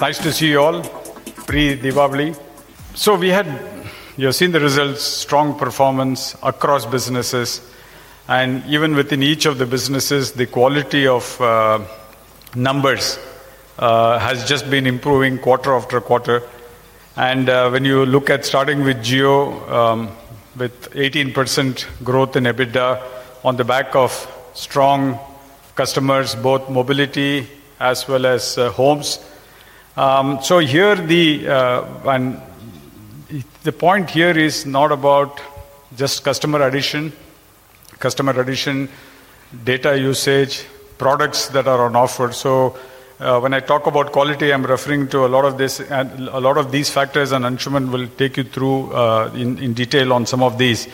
Nice to see you all. Priya, Deepavli, you have seen the results, strong performance across businesses. Even within each of the businesses, the quality of numbers has just been improving quarter after quarter. When you look at starting with Jio, with 18% growth in EBITDA on the back of strong customers, both mobility as well as homes, the point here is not about just customer addition, customer addition, data usage, products that are on offer. When I talk about quality, I'm referring to a lot of this, a lot of these factors. Anshuman will take you through in detail on some of these,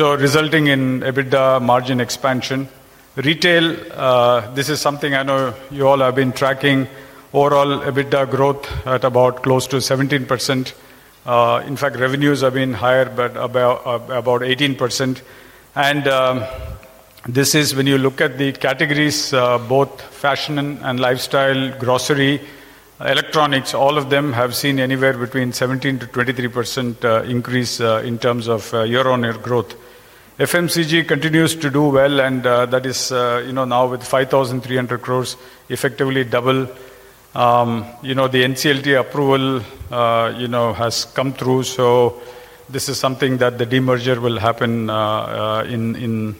resulting in EBITDA margin expansion. Retail, this is something I know you all have been tracking. Overall, EBITDA growth at about close to 17%. In fact, revenues have been higher, about 18%. When you look at the categories, both fashion and lifestyle, grocery, electronics, all of them have seen anywhere between 17%-23% increase in terms of year-on-year growth. FMCG continues to do well, and that is now with 5,300 crore, effectively double. The NCLT approval has come through. This is something that the demerger will happen in the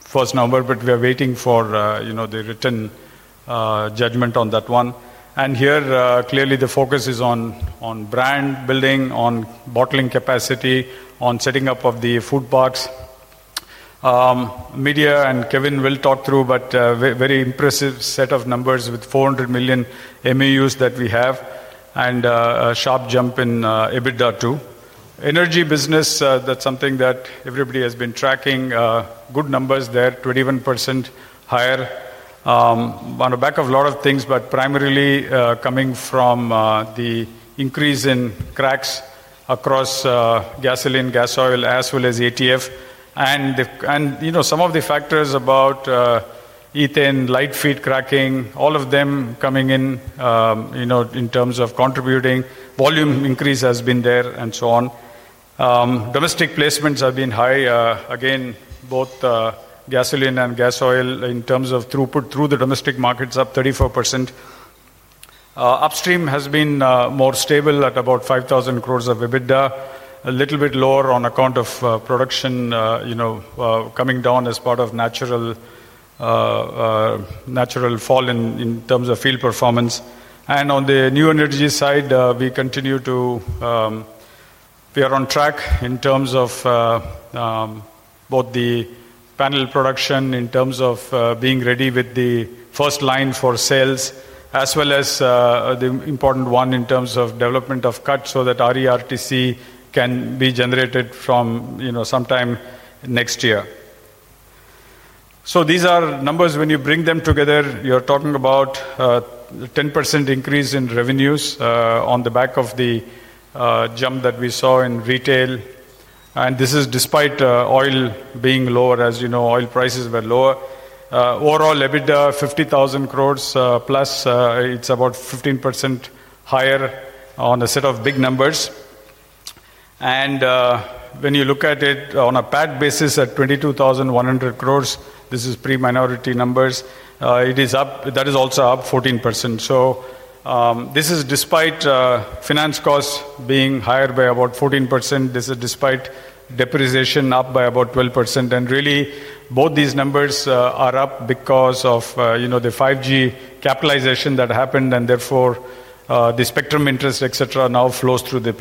first number. We are waiting for the written judgment on that one. Here, clearly, the focus is on brand building, on bottling capacity, on setting up of the food parks. Media, and Kevin will talk through, but a very impressive set of numbers with 400 million MAUs that we have and a sharp jump in EBITDA too. Energy business, that's something that everybody has been tracking. Good numbers there, 21% higher, on the back of a lot of things, but primarily coming from the increase in cracks across gasoline, gas oil, as well as ETF. Some of the factors about ethane, light feed cracking, all of them coming in in terms of contributing. Volume increase has been there and so on. Domestic placements have been high. Again, both gasoline and gas oil in terms of throughput through the domestic markets up 34%. Upstream has been more stable at about 5,000 crore of EBITDA, a little bit lower on account of production coming down as part of natural fall in terms of field performance. On the New Energy side, we continue to, we are on track in terms of both the panel production, in terms of being ready with the first line for sales, as well as the important one in terms of development of cuts so that RE/RTC can be generated from sometime next year. These are numbers. When you bring them together, you're talking about a 10% increase in revenues on the back of the jump that we saw in retail. This is despite oil being lower. As you know, oil prices were lower. Overall, EBITDA 50,000 crore plus, it's about 15% higher on a set of big numbers. When you look at it on a PAT basis at 22,100 crore, this is pre-minority numbers. That is also up 14%. This is despite finance costs being higher by about 14%. This is despite depreciation up by about 12%. Really, both these numbers are up because of the 5G capitalization that happened. Therefore, the spectrum interest, etc., now flows through the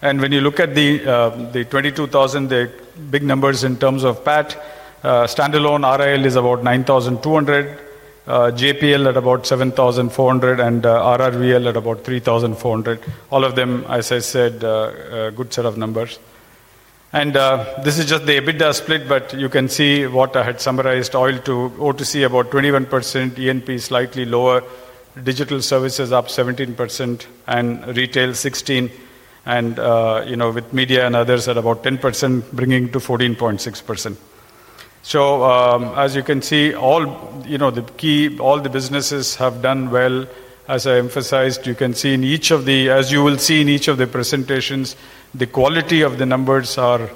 P&L. When you look at the 22,000, the big numbers in terms of PAT, standalone Reliance Industries Limited is about 9,200 crore, Jio Platforms at about 7,400 crore, and Reliance Retail at about 3,400 crore. All of them, as I said, a good set of numbers. This is just the EBITDA split. You can see what I had summarized. Oil to O2C about 21%, E&P slightly lower, Digital Services up 17%, and Retail 16%. With Media and others at about 10%, bringing to 14.6%. You can see all the key, all the businesses have done well. As I emphasized, you can see in each of the, as you will see in each of the presentations, the quality of the numbers are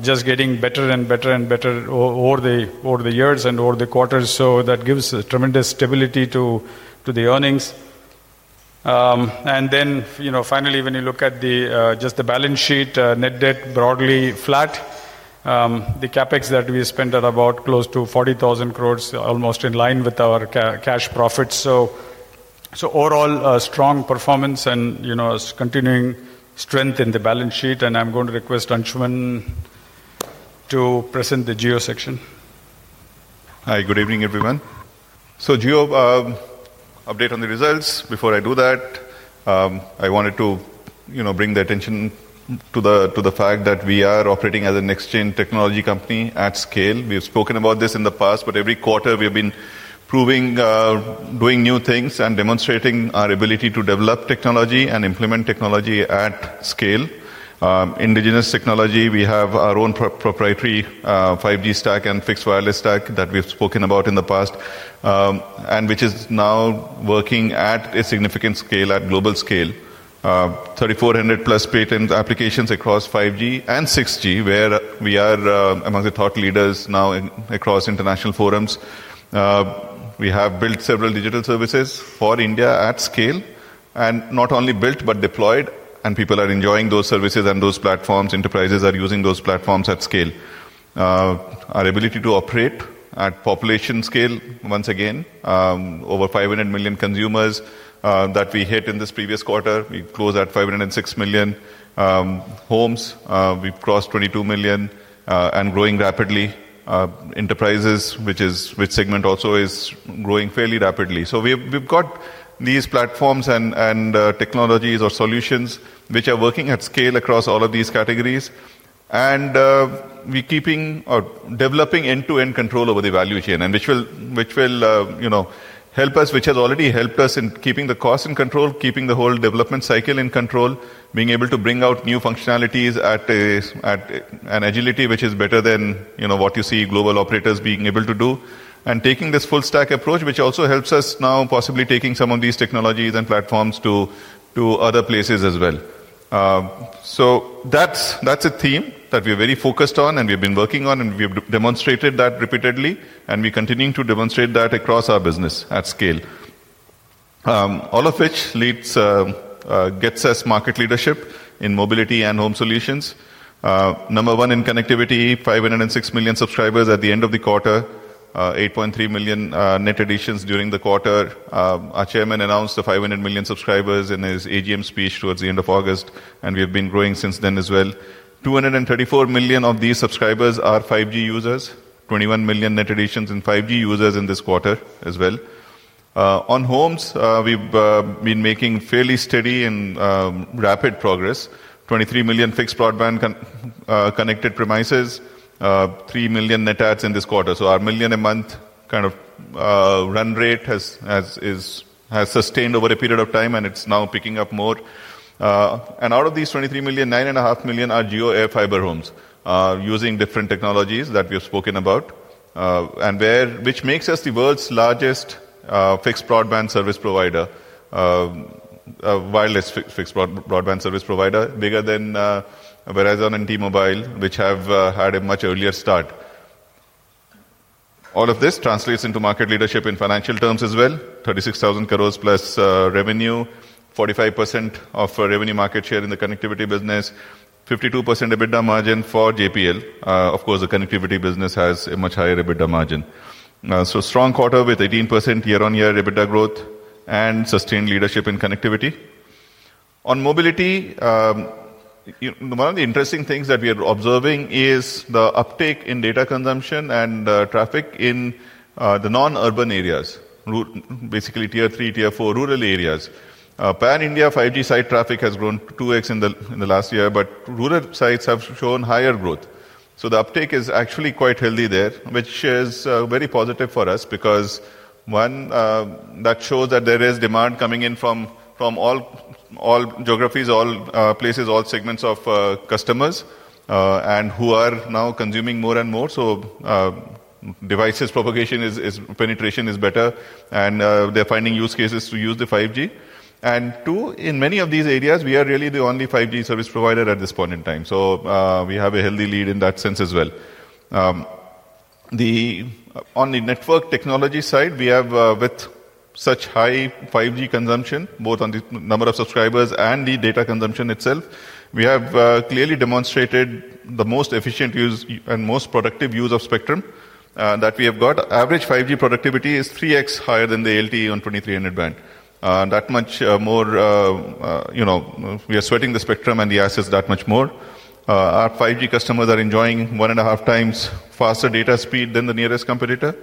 just getting better and better and better over the years and over the quarters. That gives tremendous stability to the earnings. Finally, when you look at just the balance sheet, net debt broadly flat. The CapEx that we spent at about close to 40,000 crore, almost in line with our cash profits. Overall, strong performance and continuing strength in the balance sheet. I'm going to request Anshuman to present the Jio section. Hi, good evening, everyone. Jio, update on the results. Before I do that, I wanted to bring the attention to the fact that we are operating as an exchange technology company at scale. We have spoken about this in the past. Every quarter, we have been proving, doing new things and demonstrating our ability to develop technology and implement technology at scale. Indigenous technology, we have our own proprietary 5G stack and fixed wireless stack that we have spoken about in the past, and which is now working at a significant scale, at global scale. 3,400+ patent applications across 5G and 6G, where we are among the thought leaders now across international forums. We have built several digital services for India at scale. Not only built, but deployed. People are enjoying those services and those platforms. Enterprises are using those platforms at scale. Our ability to operate at population scale, once again, over 500 million consumers that we hit in this previous quarter. We closed at 506 million homes. We crossed 22 million and growing rapidly. Enterprises, which is which segment also is growing fairly rapidly. We have got these platforms and technologies or solutions which are working at scale across all of these categories. We are keeping or developing end-to-end control over the value chain, which will help us, which has already helped us in keeping the cost in control, keeping the whole development cycle in control, being able to bring out new functionalities at an agility which is better than what you see global operators being able to do. Taking this full stack approach, which also helps us now possibly taking some of these technologies and platforms to other places as well. That is a theme that we are very focused on and we have been working on. We have demonstrated that repeatedly. We are continuing to demonstrate that across our business at scale. All of which gets us market leadership in mobility and home solutions. Number one in connectivity, 506 million subscribers at the end of the quarter, 8.3 million net additions during the quarter. Our Chairman announced the 500 million subscribers in his AGM speech towards the end of August. We have been growing since then as well. 234 million of these subscribers are 5G users, 21 million net additions in 5G users in this quarter as well. On homes, we've been making fairly steady and rapid progress. 23 million fixed broadband connected premises, 3 million net adds in this quarter. Our million a month kind of run rate has sustained over a period of time, and it's now picking up more. Out of these 23 million, 9.5 million are Jio AirFiber homes using different technologies that we have spoken about, which makes us the world's largest fixed broadband service provider, wireless fixed broadband service provider, bigger than Verizon and T-Mobile, which have had a much earlier start. All of this translates into market leadership in financial terms as well. 36,000 crore plus revenue, 45% of revenue market share in the connectivity business, 52% EBITDA margin for JPL. The connectivity business has a much higher EBITDA margin. Strong quarter with 18% year-on-year EBITDA growth and sustained leadership in connectivity. On mobility, one of the interesting things that we are observing is the uptake in data consumption and traffic in the non-urban areas, basically Tier 3, Tier 4 rural areas. Pan-India 5G site traffic has grown 2x in the last year. Rural sites have shown higher growth. The uptake is actually quite healthy there, which is very positive for us because, one, that shows that there is demand coming in from all geographies, all places, all segments of customers who are now consuming more and more. Devices propagation penetration is better, and they're finding use cases to use the 5G. In many of these areas, we are really the only 5G service provider at this point in time. We have a healthy lead in that sense as well. On the network technology side, with such high 5G consumption, both on the number of subscribers and the data consumption itself, we have clearly demonstrated the most efficient use and most productive use of spectrum that we have got. Average 5G productivity is 3x higher than the LTE on 2,300 Hz band. That much more, we are sweating the spectrum and the assets that much more. Our 5G customers are enjoying 1.5x faster data speed than the nearest competitor.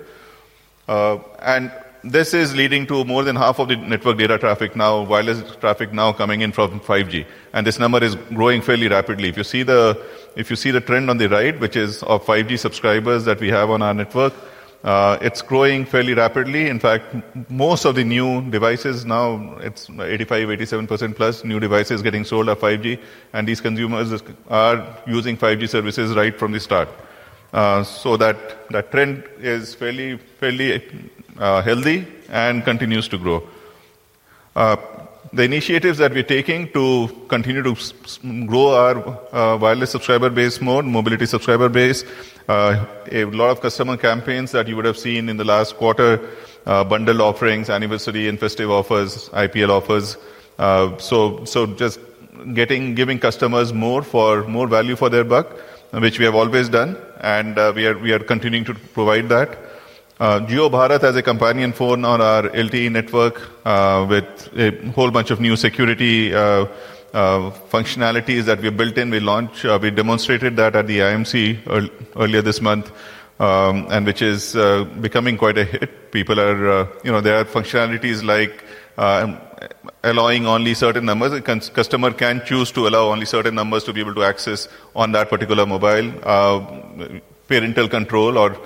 This is leading to more than half of the network data traffic now, wireless traffic now coming in from 5G, and this number is growing fairly rapidly. If you see the trend on the right, which is of 5G subscribers that we have on our network, it's growing fairly rapidly. In fact, most of the new devices now, it's 85%, 87% plus new devices getting sold at 5G. These consumers are using 5G services right from the start. That trend is fairly healthy and continues to grow. The initiatives that we're taking to continue to grow our wireless subscriber base, more mobility subscriber base, a lot of customer campaigns that you would have seen in the last quarter, bundle offerings, anniversary and festive offers, IPL offers, are just giving customers more value for their buck, which we have always done. We are continuing to provide that. Jio Bharat as a companion phone on our LTE network with a whole bunch of new security functionalities that we have built in, we launched. We demonstrated that at the IMC earlier this month, and it is becoming quite a hit. There are functionalities like allowing only certain numbers. A customer can choose to allow only certain numbers to be able to access on that particular mobile. Parental control, or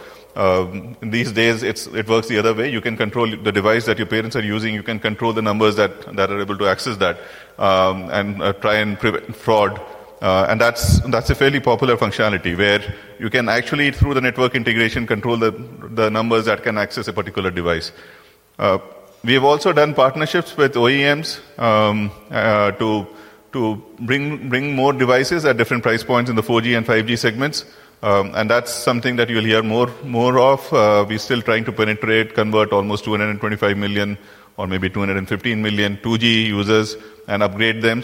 these days, it works the other way. You can control the device that your parents are using. You can control the numbers that are able to access that and try and prevent fraud. That is a fairly popular functionality where you can actually, through the network integration, control the numbers that can access a particular device. We have also done partnerships with OEMs to bring more devices at different price points in the 4G and 5G segments. That is something that you will hear more of. We're still trying to penetrate, convert almost 225 million or maybe 215 million 2G users and upgrade them.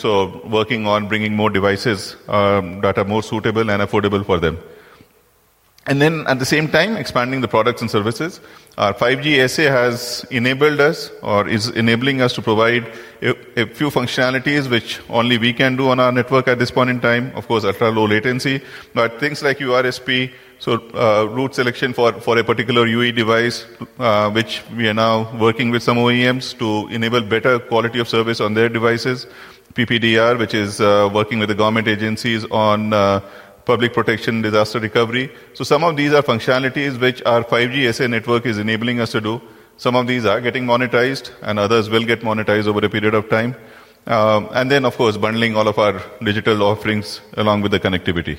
Working on bringing more devices, data more suitable and affordable for them. At the same time, expanding the products and services. Our 5G assay has enabled us or is enabling us to provide a few functionalities which only we can do on our network at this point in time. Of course, ultra-low latency. Things like URSP, so route selection for a particular UE device, which we are now working with some OEMs to enable better quality of service on their devices. PPDR, which is working with the government agencies on public protection, disaster recovery. Some of these are functionalities which our 5G assay network is enabling us to do. Some of these are getting monetized. Others will get monetized over a period of time. Of course, bundling all of our digital offerings along with the connectivity.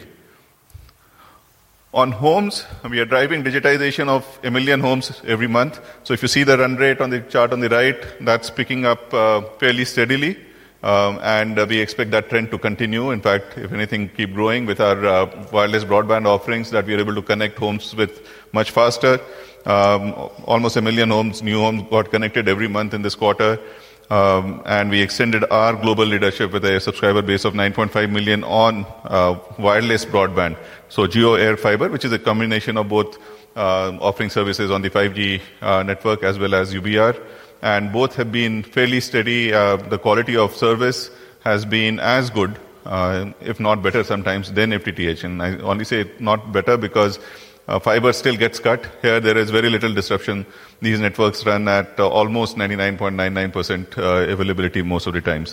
On homes, we are driving digitization of a million homes every month. If you see the run rate on the chart on the right, that is picking up fairly steadily. We expect that trend to continue. In fact, if anything, keep growing with our wireless broadband offerings that we are able to connect homes with much faster. Almost 1 million new homes got connected every month in this quarter. We extended our global leadership with a subscriber base of 9.5 million on wireless broadband. Jio AirFiber, which is a combination of both offering services on the 5G network as well as UBR, has been fairly steady. The quality of service has been as good, if not better sometimes, than FTTH. I only say not better because fiber still gets cut. Here, there is very little disruption. These networks run at almost 99.99% availability most of the time.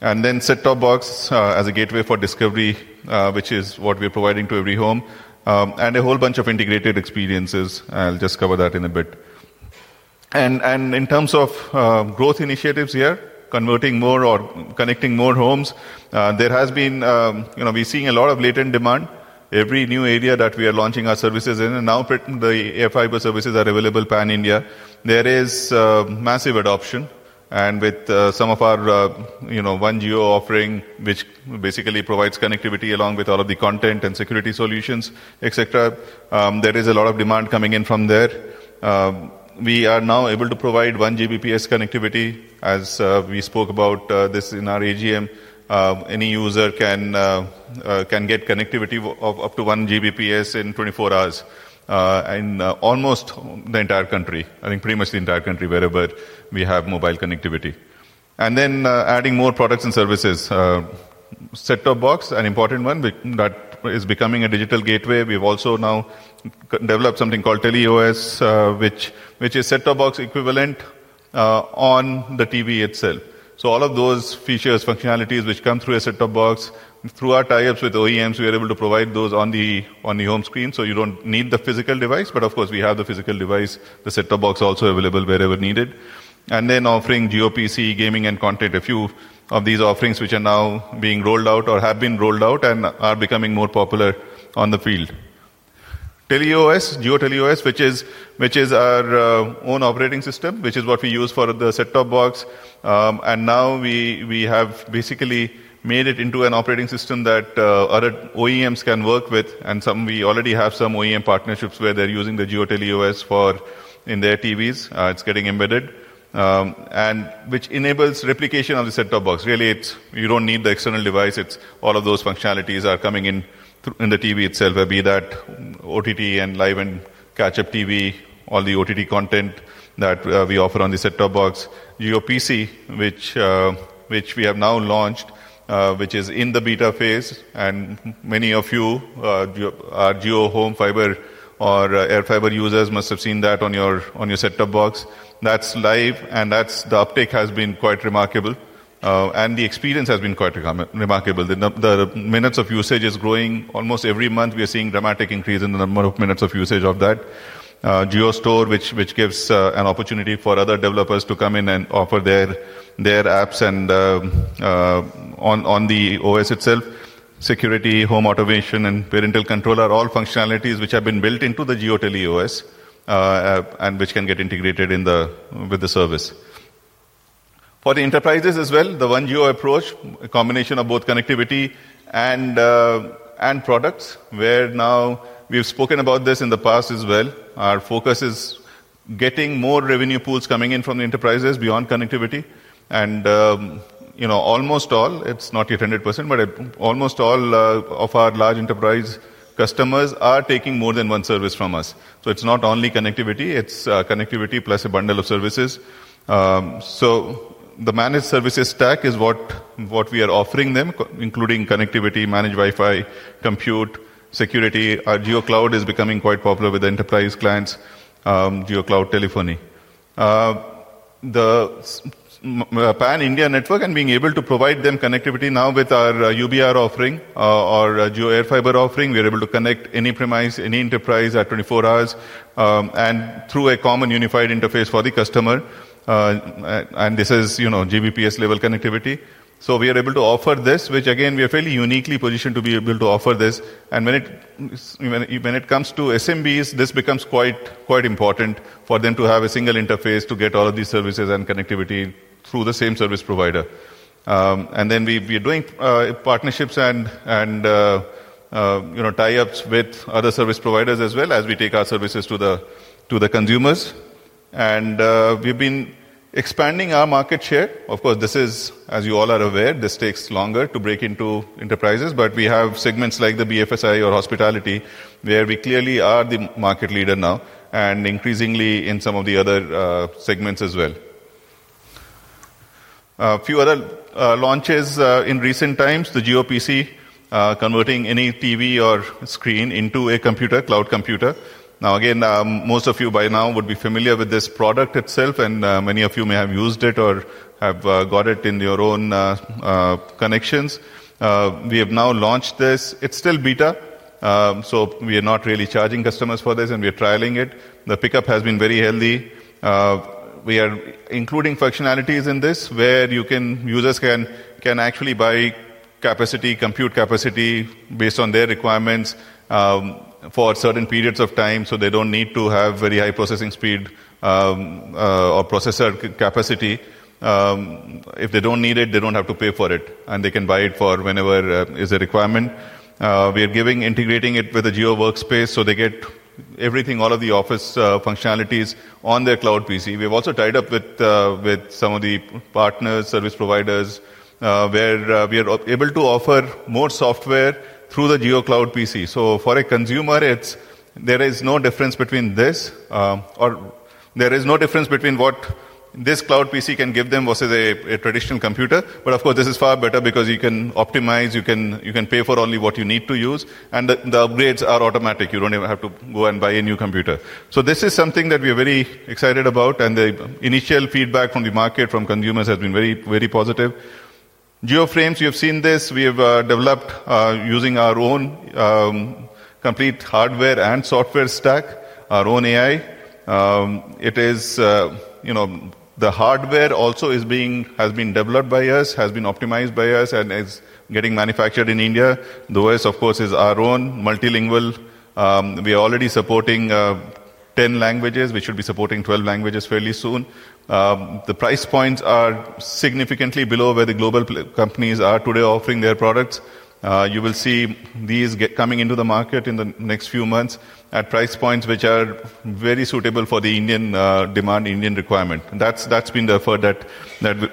The set-top box is a gateway for discovery, which is what we are providing to every home, and a whole bunch of integrated experiences. I'll just cover that in a bit. In terms of growth initiatives here, converting more or connecting more homes, we are seeing a lot of latent demand. Every new area that we are launching our services in, and now the air fiber services are available pan-India, there is massive adoption. With some of our One Jio offering, which basically provides connectivity along with all of the content and security solutions, etc., there is a lot of demand coming in from there. We are now able to provide 1 Gbps connectivity. As we spoke about this in our AGM, any user can get connectivity of up to 1 Gbps in 24 hours in almost the entire country. I think pretty much the entire country wherever we have mobile connectivity. Adding more products and services, set-top box is an important one that is becoming a digital gateway. We've also now developed something called TeleOS, which is set-top box equivalent on the TV itself. All of those features and functionalities which come through a set-top box, through our tie-ups with OEMs, we are able to provide those on the home screen, so you don't need the physical device. Of course, we have the physical device, the set-top box also available wherever needed. Offering JioPC, gaming, and content, a few of these offerings which are now being rolled out or have been rolled out and are becoming more popular on the field. JioTeleOS, which is our own operating system, is what we use for the set-top box. Now we have basically made it into an operating system that other OEMs can work with. We already have some OEM partnerships where they're using the JioTeleOS in their TVs. It's getting embedded, which enables replication of the set-top box. You really don't need the external device. All of those functionalities are coming in the TV itself, be that OTT and live and catch-up TV, all the OTT content that we offer on the set-top box. JioPC, which we have now launched, is in the beta phase. Many of you who are JioHome fiber or AirFiber users must have seen that on your set-top box. That's live, and the uptake has been quite remarkable. The experience has been quite remarkable. The minutes of usage are growing. Almost every month, we are seeing a dramatic increase in the number of minutes of usage of that. Jio Store gives an opportunity for other developers to come in and offer their apps on the OS itself. Security, home automation, and parental control are all functionalities which have been built into the JioTeleOS and which can get integrated with the service. For the enterprises as well, the One Jio approach, a combination of both connectivity and products, where we have spoken about this in the past as well. Our focus is getting more revenue pools coming in from the enterprises beyond connectivity. Almost all, it's not yet 100%, but almost all of our large enterprise customers are taking more than one service from us. It's not only connectivity. It's connectivity plus a bundle of services. The managed services stack is what we are offering them, including connectivity, managed Wi-Fi, compute, security. Our Jio Cloud is becoming quite popular with enterprise clients, Jio Cloud Telephony. The pan-India network and being able to provide them connectivity now with our UBR offering or Jio AirFiber offering, we are able to connect any enterprise at 24 hours and through a common unified interface for the customer. This is Gbps-level connectivity. We are able to offer this, which, again, we are fairly uniquely positioned to be able to offer. When it comes to SMBs, this becomes quite important for them to have a single interface to get all of these services and connectivity through the same service provider. We are doing partnerships and tie-ups with other service providers as we take our services to the consumers. We have been expanding our market share. Of course, as you all are aware, this takes longer to break into enterprises. We have segments like the BFSI or hospitality where we clearly are the market leader now and increasingly in some of the other segments as well. A few other launches in recent times, the JioPC, converting any TV or screen into a computer, cloud computer. Most of you by now would be familiar with this product itself. Many of you may have used it or have got it in your own connections. We have now launched this. It's still beta. We are not really charging customers for this and we are trialing it. The pickup has been very healthy. We are including functionalities in this where users can actually buy compute capacity based on their requirements for certain periods of time. They don't need to have very high processing speed or processor capacity. If they don't need it, they don't have to pay for it and they can buy it for whenever is a requirement. We are integrating it with the Jio Workspace so they get everything, all of the office functionalities on their cloud PC. We have also tied up with some of the partners, service providers where we are able to offer more software through the JioPC. For a consumer, there is no difference between this or there is no difference between what this cloud PC can give them versus a traditional computer. Of course, this is far better because you can optimize. You can pay for only what you need to use and the upgrades are automatic. You don't even have to go and buy a new computer. This is something that we are very excited about and the initial feedback from the market, from consumers, has been very, very positive. JioFrames, you have seen this. We have developed using our own complete hardware and software stack, our own AI. The hardware also has been developed by us, has been optimized by us, and is getting manufactured in India. The OS, of course, is our own multilingual. We are already supporting 10 languages. We should be supporting 12 languages fairly soon. The price points are significantly below where the global companies are today offering their products. You will see these coming into the market in the next few months at price points which are very suitable for the demand in Indian requirement. That's been the effort that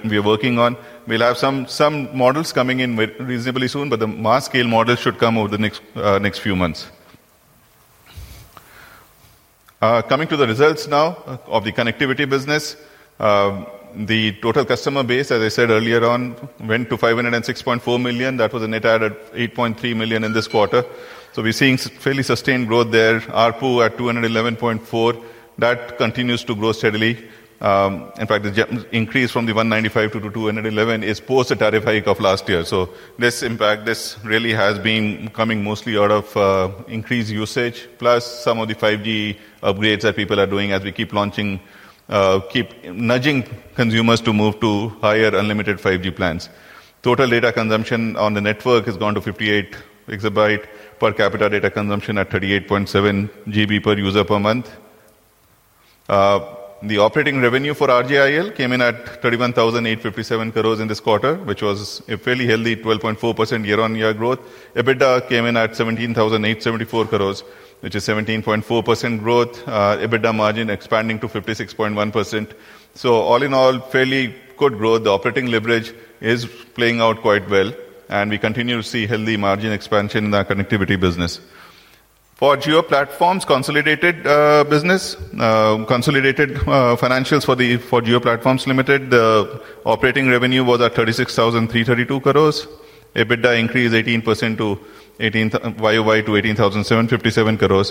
we are working on. We'll have some models coming in reasonably soon. The mass-scale models should come over the next few months. Coming to the results now of the connectivity business, the total customer base, as I said earlier on, went to 506.4 million. That was a net add of 8.3 million in this quarter. We're seeing fairly sustained growth there. ARPU at 211.4. That continues to grow steadily. In fact, the increase from 195 to 211 is post the tariff hike of last year. This impact really has been coming mostly out of increased usage plus some of the 5G upgrades that people are doing as we keep nudging consumers to move to higher unlimited 5G plans. Total data consumption on the network has gone to 58 EB per capita data consumption at 38.7 GB per user per month. The operating revenue for JIL came in at 31,857 crore in this quarter, which was a fairly healthy 12.4% year-on-year growth. EBITDA came in at 17,874 crore, which is 17.4% growth. EBITDA margin expanding to 56.1%. All in all, fairly good growth. The operating leverage is playing out quite well. We continue to see healthy margin expansion in our connectivity business. For Jio Platforms consolidated business, consolidated financials for Jio Platforms Limited, the operating revenue was at 36,332 crore rupees. EBITDA increased 18% Y-o-Y to 18,757 crore.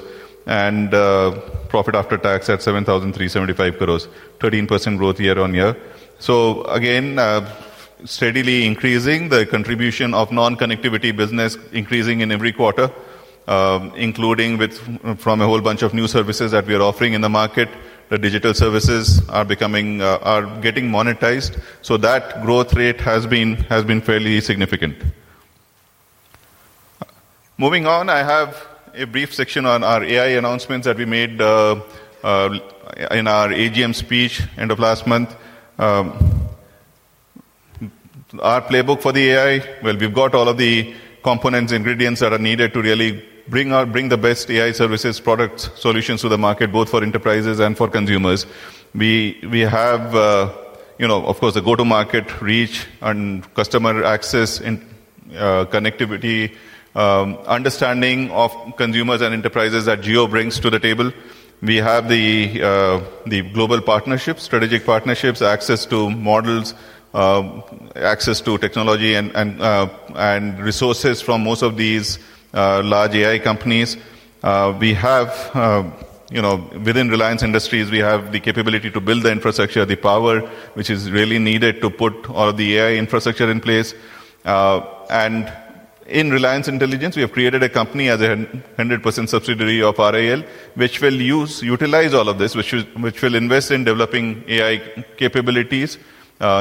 Profit after tax at 7,375 crore, 13% growth year-on-year. Again, steadily increasing the contribution of non-connectivity business increasing in every quarter, including from a whole bunch of new services that we are offering in the market. The digital services are getting monetized. That growth rate has been fairly significant. Moving on, I have a brief section on our AI announcements that we made in our AGM speech end of last month. Our playbook for the AI, we've got all of the components, ingredients that are needed to really bring the best AI services, products, solutions to the market, both for enterprises and for consumers. We have, of course, the go-to-market reach and customer access in connectivity, understanding of consumers and enterprises that Jio brings to the table. We have the global partnerships, strategic partnerships, access to models, access to technology, and resources from most of these large AI companies. Within Reliance Industries, we have the capability to build the infrastructure, the power which is really needed to put all of the AI infrastructure in place. In Reliance Intelligence, we have created a company as a 100% subsidiary of RIL, which will utilize all of this, which will invest in developing AI capabilities,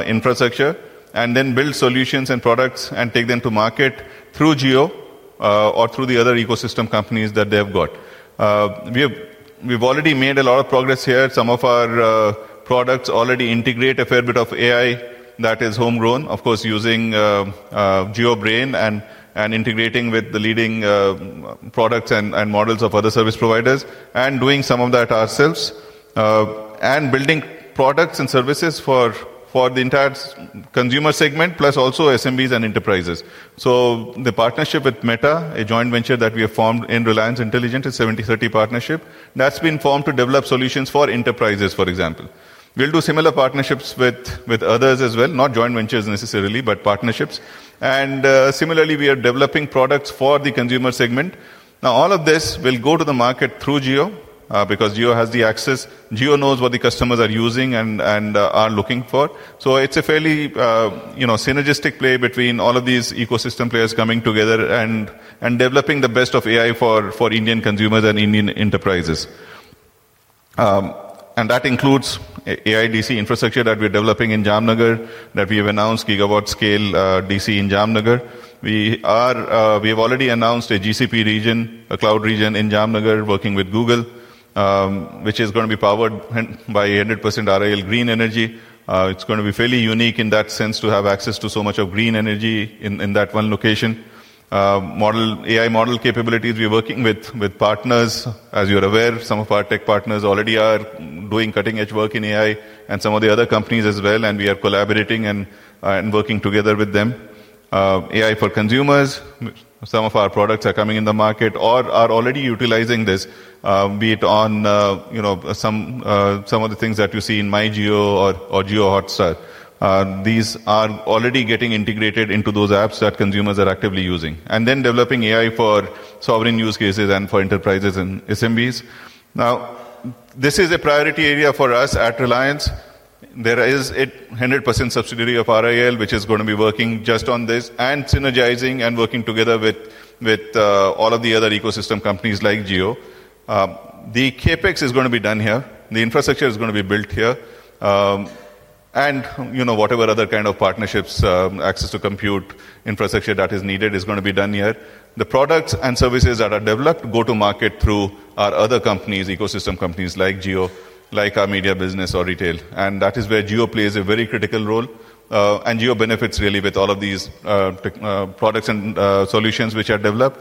infrastructure, and then build solutions and products and take them to market through Jio or through the other ecosystem companies that they have got. We've already made a lot of progress here. Some of our products already integrate a fair bit of AI that is homegrown, of course, using Jio Brain and integrating with the leading products and models of other service providers and doing some of that ourselves and building products and services for the entire consumer segment, plus also SMBs and enterprises. The partnership with Meta, a joint venture that we have formed in Reliance Intelligence, a 70/30 partnership, has been formed to develop solutions for enterprises, for example. We will do similar partnerships with others as well, not joint ventures necessarily, but partnerships. Similarly, we are developing products for the consumer segment. All of this will go to the market through Jio because Jio has the access. Jio knows what the customers are using and are looking for. It is a fairly synergistic play between all of these ecosystem players coming together and developing the best of AI for Indian consumers and Indian enterprises. That includes AI DC infrastructure that we're developing in Jamnagar that we have announced, gigawatt-scale DC in Jamnagar. We have already announced a GCP region, a cloud region in Jamnagar, working with Google, which is going to be powered by 100% RIL green energy. It is going to be fairly unique in that sense to have access to so much of green energy in that one location. AI model capabilities, we are working with partners. As you are aware, some of our tech partners already are doing cutting-edge work in AI and some of the other companies as well. We are collaborating and working together with them. AI for consumers, some of our products are coming in the market or are already utilizing this, be it on some of the things that you see in MyJio or JioCinema. These are already getting integrated into those apps that consumers are actively using and then developing AI for sovereign use cases and for enterprises and SMBs. This is a priority area for us at Reliance. There is a 100% subsidiary of RIL, which is going to be working just on this and synergizing and working together with all of the other ecosystem companies like Jio. The CapEx is going to be done here. The infrastructure is going to be built here. Whatever other kind of partnerships, access to compute, infrastructure that is needed is going to be done here. The products and services that are developed go to market through our other companies, ecosystem companies like Jio, like our media business or Retail. That is where Jio plays a very critical role. Jio benefits really with all of these products and solutions which are developed.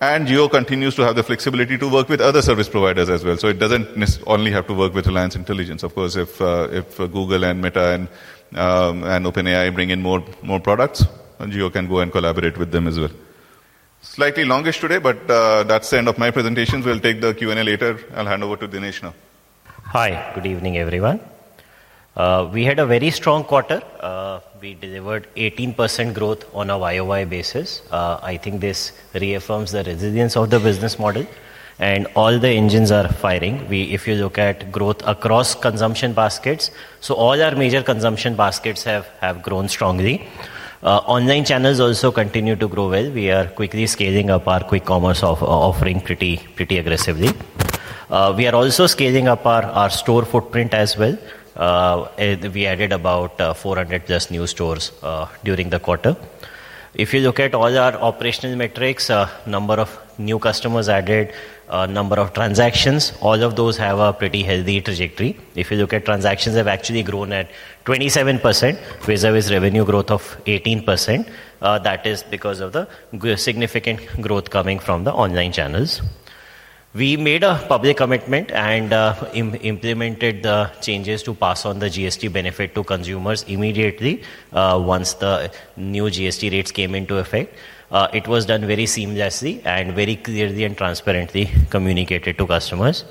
Jio continues to have the flexibility to work with other service providers as well. It doesn't only have to work with Reliance Intelligence. Of course, if Google and Meta and OpenAI bring in more products, Jio can go and collaborate with them as well. Slightly longish today, but that's the end of my presentations. We'll take the Q&A later. I'll hand over to Dinesh now. Hi, good evening, everyone. We had a very strong quarter. We delivered 18% growth on a Y-o-Y basis. I think this reaffirms the resilience of the business model. All the engines are firing. If you look at growth across consumption baskets, all our major consumption baskets have grown strongly. Online channels also continue to grow well. We are quickly scaling up our quick commerce offering pretty aggressively. We are also scaling up our store footprint as well. We added about 400+ new stores during the quarter. If you look at all our operational metrics, number of new customers added, number of transactions, all of those have a pretty healthy trajectory. If you look at transactions, they've actually grown at 27%, vis-à-vis revenue growth of 18%. That is because of the significant growth coming from the online channels. We made a public commitment and implemented the changes to pass on the GST benefit to consumers immediately once the new GST rates came into effect. It was done very seamlessly and very clearly and transparently communicated to customers.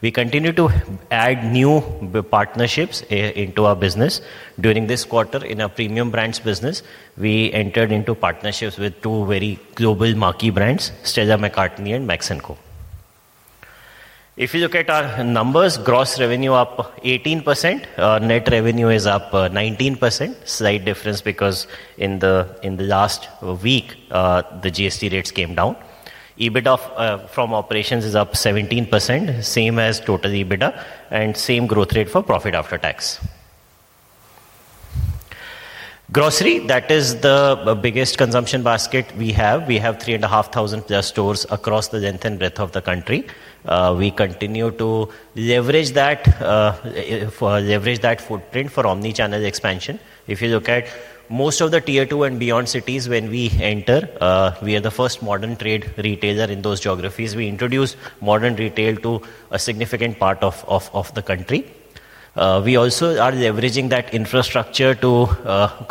We continue to add new partnerships into our business. During this quarter, in our premium brands business, we entered into partnerships with two very global marquee brands, Stella McCartney and Max & Co. If you look at our numbers, gross revenue up 18%. Net revenue is up 19%. Slight difference because in the last week, the GST rates came down. EBITDA from operations is up 17%, same as total EBITDA and same growth rate for profit after tax. Grocery, that is the biggest consumption basket we have. We have 3,500+ stores across the length and breadth of the country. We continue to leverage that footprint for omnichannel expansion. If you look at most of the Tier 2 and beyond cities, when we enter, we are the first modern trade retailer in those geographies. We introduce modern retail to a significant part of the country. We also are leveraging that infrastructure to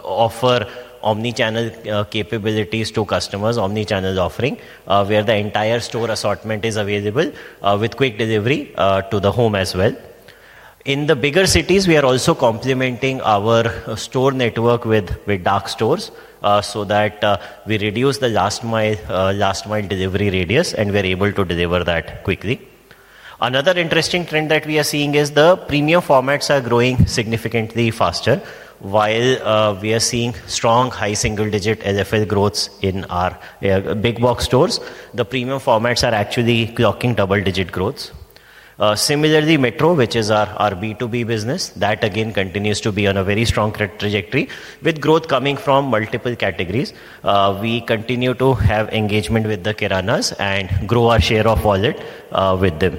offer omnichannel capabilities to customers, omnichannel offering, where the entire store assortment is available with quick delivery to the home as well. In the bigger cities, we are also complementing our store network with dark stores so that we reduce the last mile delivery radius. We are able to deliver that quickly. Another interesting trend that we are seeing is the premium formats are growing significantly faster. While we are seeing strong high single-digit LFL growths in our big box stores, the premium formats are actually clocking double-digit growths. Similarly, Metro, which is our B2B business, that again continues to be on a very strong trajectory with growth coming from multiple categories. We continue to have engagement with the Kiranas and grow our share of wallet with them.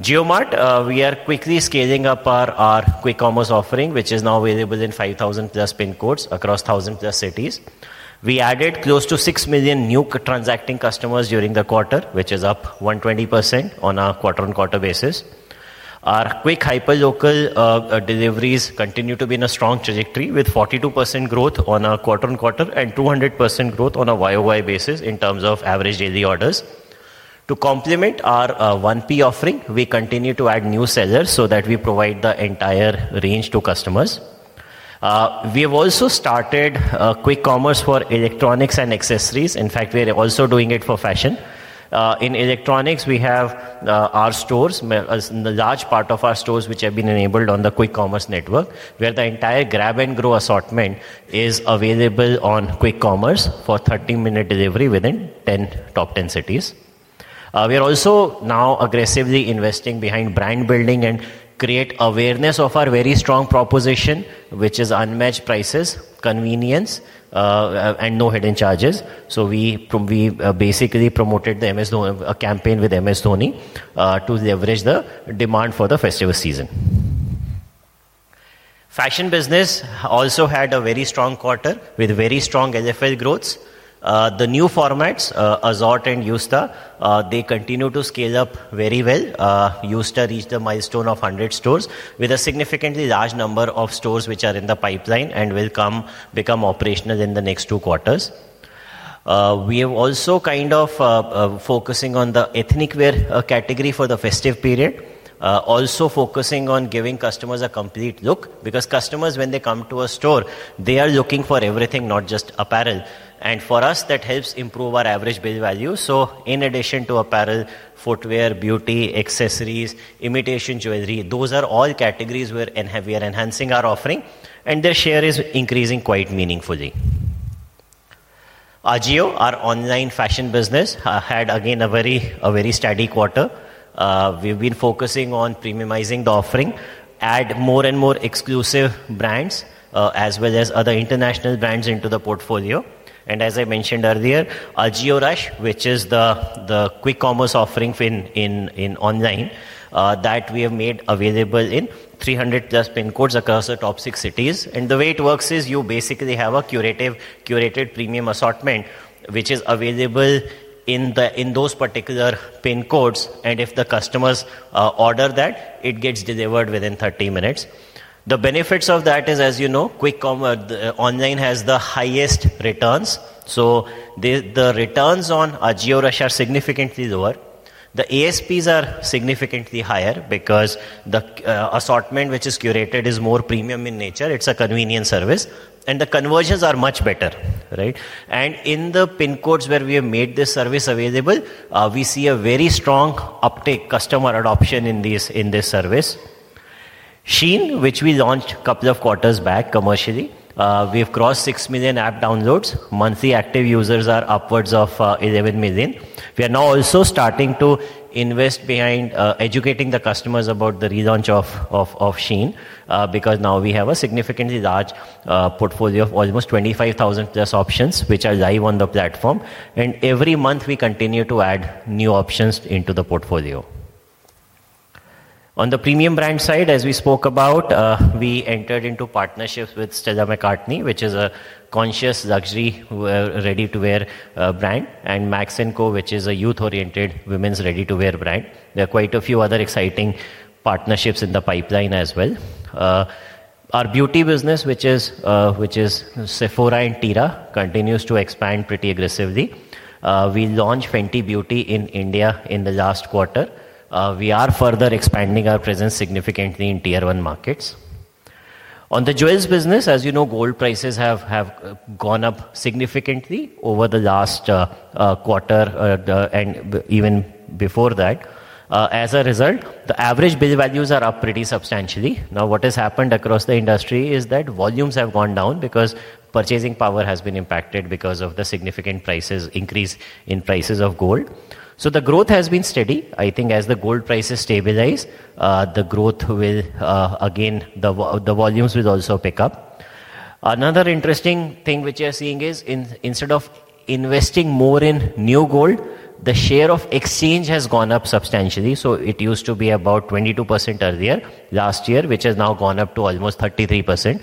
JioMart, we are quickly scaling up our quick commerce offering, which is now available in 5,000+ PIN codes across 1,000+ cities. We added close to 6 million new transacting customers during the quarter, which is up 120% on a quarter-on-quarter basis. Our quick hyperlocal deliveries continue to be in a strong trajectory with 42% growth on a quarter-on-quarter and 200% growth on a Y-o-Y basis in terms of average daily orders. To complement our 1P offering, we continue to add new sellers so that we provide the entire range to customers. We have also started quick commerce for electronics and accessories. In fact, we are also doing it for fashion. In electronics, we have our stores, the large part of our stores which have been enabled on the quick commerce network, where the entire grab and grow assortment is available on quick commerce for 30-minute delivery within top 10 cities. We are also now aggressively investing behind brand building and create awareness of our very strong proposition, which is unmatched prices, convenience, and no hidden charges. We basically promoted the campaign with M.S. Dhoni to leverage the demand for the festival season. Fashion business also had a very strong quarter with very strong LFL growths. The new formats, Azort and Yusta, they continue to scale up very well. Yusta reached the milestone of 100 stores with a significantly large number of stores which are in the pipeline and will become operational in the next two quarters. We are also kind of focusing on the ethnic wear category for the festive period, also focusing on giving customers a complete look. Because customers, when they come to a store, they are looking for everything, not just apparel. For us, that helps improve our average bill value. In addition to apparel, footwear, beauty, accessories, imitation jewelry, those are all categories where we are enhancing our offering. Their share is increasing quite meaningfully. AJIO, our online fashion business, had again a very steady quarter. We've been focusing on premiumizing the offering, add more and more exclusive brands as well as other international brands into the portfolio. As I mentioned earlier, AJIO Rush, which is the quick commerce offering online that we have made available in 300+ PIN codes across the top six cities. The way it works is you basically have a curated premium assortment, which is available in those particular PIN codes. If the customers order that, it gets delivered within 30 minutes. The benefits of that are, as you know, online has the highest returns. The returns on AJIO Rush are significantly lower. The ASPs are significantly higher because the assortment which is curated is more premium in nature. It's a convenient service, and the conversions are much better. In the PIN codes where we have made this service available, we see a very strong uptake, customer adoption in this service. Shein, which we launched a couple of quarters back commercially, we have crossed 6 million app downloads. Monthly active users are upwards of 11 million. We are now also starting to invest behind educating the customers about the relaunch of Shein because now we have a significantly large portfolio of almost 25,000+ options, which are live on the platform. Every month, we continue to add new options into the portfolio. On the premium brand side, as we spoke about, we entered into partnerships with Stella McCartney, which is a conscious luxury ready-to-wear brand, and Max & Co., which is a youth-oriented women's ready-to-wear brand. There are quite a few other exciting partnerships in the pipeline as well. Our beauty business, which is Sephora and Tira, continues to expand pretty aggressively. We launched Fenty Beauty in India in the last quarter. We are further expanding our presence significantly in Tier 1 markets. On the jewels business, as you know, gold prices have gone up significantly over the last quarter and even before that. As a result, the average bill values are up pretty substantially. What has happened across the industry is that volumes have gone down because purchasing power has been impacted because of the significant increase in prices of gold. The growth has been steady. I think as the gold prices stabilize, the growth will, again, the volumes will also pick up. Another interesting thing which we are seeing is instead of investing more in new gold, the share of exchange has gone up substantially. It used to be about 22% earlier last year, which has now gone up to almost 33%.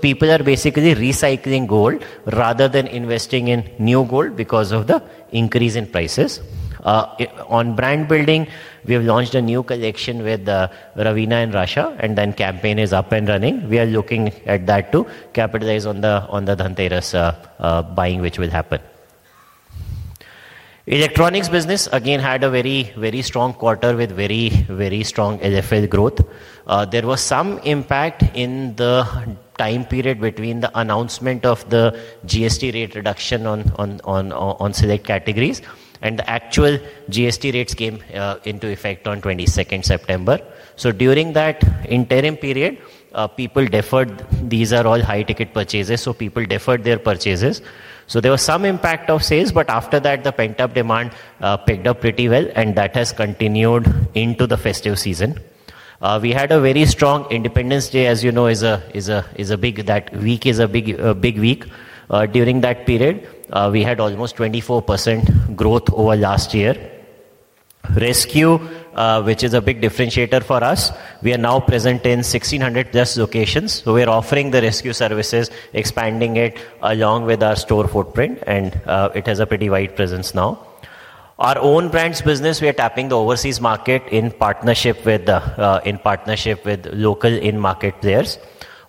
People are basically recycling gold rather than investing in new gold because of the increase in prices. On brand building, we have launched a new collection with Raveena and Rasha, and that campaign is up and running. We are looking at that to capitalize on the Dhanteras buying, which will happen. Electronics business again had a very, very strong quarter with very, very strong LFL growth. There was some impact in the time period between the announcement of the GST rate reduction on select categories and the actual GST rates came into effect on September 22nd. During that interim period, people deferred. These are all high-ticket purchases, so people deferred their purchases. There was some impact of sales. After that, the pent-up demand picked up pretty well, and that has continued into the festive season. We had a very strong Independence Day, as you know, is a big week. During that period, we had almost 24% growth over last year. Rescue, which is a big differentiator for us, we are now present in 1,600+ locations. We are offering the rescue services, expanding it along with our store footprint, and it has a pretty wide presence now. Our own brands business, we are tapping the overseas market in partnership with local in-market players.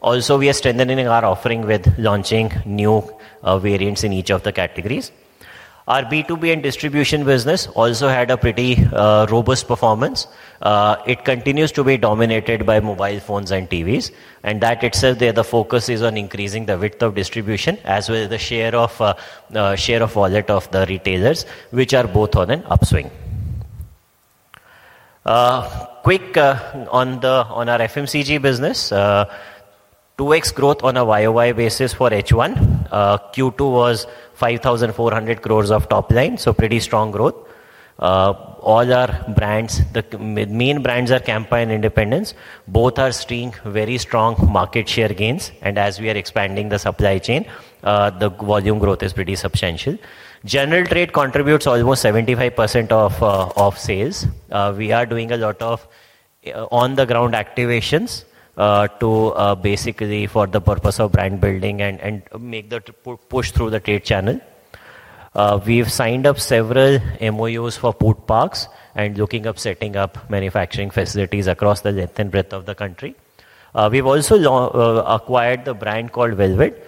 Also, we are strengthening our offering with launching new variants in each of the categories. Our B2B and distribution business also had a pretty robust performance. It continues to be dominated by mobile phones and TVs, and that itself, the focus is on increasing the width of distribution as well as the share of wallet of the retailers, which are both on an upswing. Quick on our FMCG business, 2x growth on a YoY basis for H1. Q2 was 5,400 crore of top line, so pretty strong growth. All our brands, the main brands are Kampa and Independence, both are seeing very strong market share gains. As we are expanding the supply chain, the volume growth is pretty substantial. General Trade contributes almost 75% of sales. We are doing a lot of on-the-ground activations basically for the purpose of brand building and push through the trade channel. We've signed up several MOUs for food parks and looking at setting up manufacturing facilities across the length and breadth of the country. We've also acquired the brand called Velvet,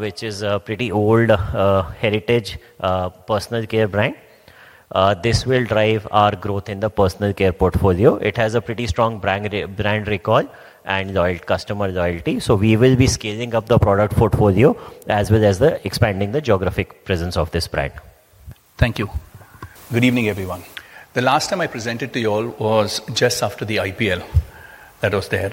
which is a pretty old heritage personal care brand. This will drive our growth in the personal care portfolio. It has a pretty strong brand recall and customer loyalty. We will be scaling up the product portfolio as well as expanding the geographic presence of this brand. Thank you. Good evening, everyone. The last time I presented to you all was just after the IPL that was there.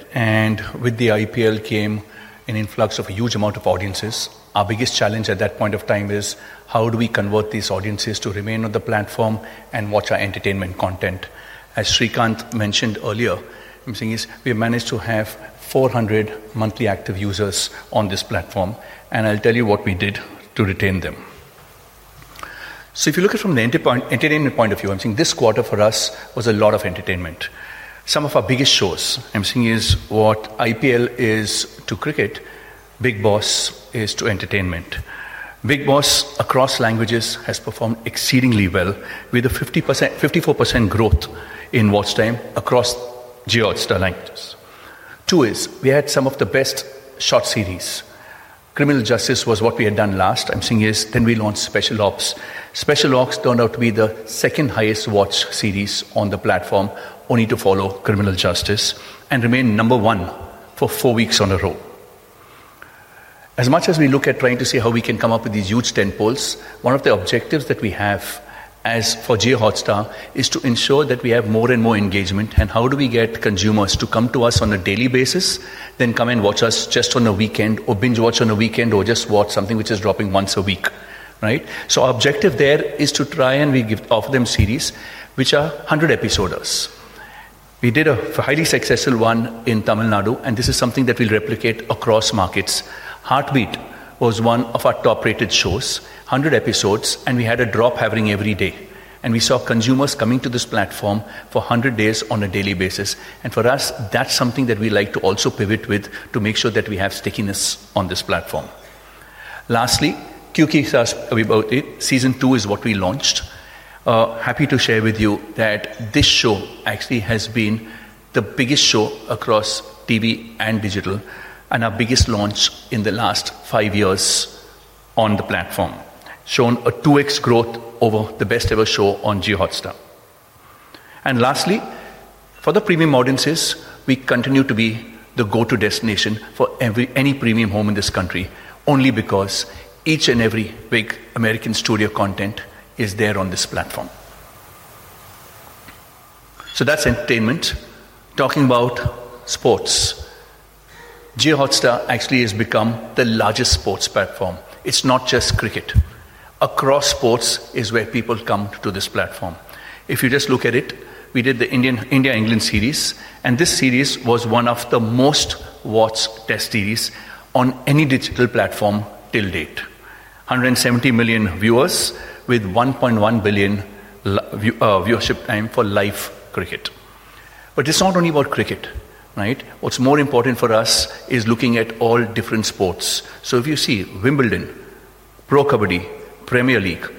With the IPL came an influx of a huge amount of audiences. Our biggest challenge at that point of time is how do we convert these audiences to remain on the platform and watch our entertainment content. As Srikanth mentioned earlier, we managed to have 400 monthly active users on this platform. I'll tell you what we did to retain them. If you look at it from the entertainment point of view, this quarter for us was a lot of entertainment. Some of our biggest shows, what IPL is to cricket, Big Boss is to entertainment. Big Boss across languages has performed exceedingly well with a 54% growth in watch time across JioHotstar languages. We had some of the best short series. Criminal Justice was what we had done last. Then we launched Special Ops. Special Ops turned out to be the second highest watched series on the platform, only to follow Criminal Justice and remain number one for four weeks in a row. As much as we look at trying to see how we can come up with these huge tentpoles, one of the objectives that we have for JioHotstar is to ensure that we have more and more engagement. How do we get consumers to come to us on a daily basis, rather than come and watch us just on a weekend or binge-watch on a weekend or just watch something which is dropping once a week? Our objective there is to try and offer them series, which are 100 episodes. We did a highly successful one in Tamil Nadu. This is something that we'll replicate across markets. Heartbeat was one of our top-rated shows, 100 episodes. We had a drop happening every day. We saw consumers coming to this platform for 100 days on a daily basis. For us, that's something that we like to also pivot with to make sure that we have stickiness on this platform. Lastly, Kyunki Saas Bhi Kabhi Bahu Thi, season two is what we launched. Happy to share with you that this show actually has been the biggest show across TV and digital and our biggest launch in the last five years on the platform, shown a 2x growth over the best ever show on JioHotstar. Lastly, for the premium audiences, we continue to be the go-to destination for any premium home in this country, only because each and every big American studio content is there on this platform. That's entertainment. Talking about sports, JioHotstar actually has become the largest sports platform. It's not just cricket. Across sports is where people come to this platform. If you just look at it, we did the India England series. This series was one of the most watched test series on any digital platform till date, 170 million viewers with 1.1 billion viewership time for live cricket. It's not only about cricket. What's more important for us is looking at all different sports. If you see Wimbledon, Pro Kabaddi League, Premier League,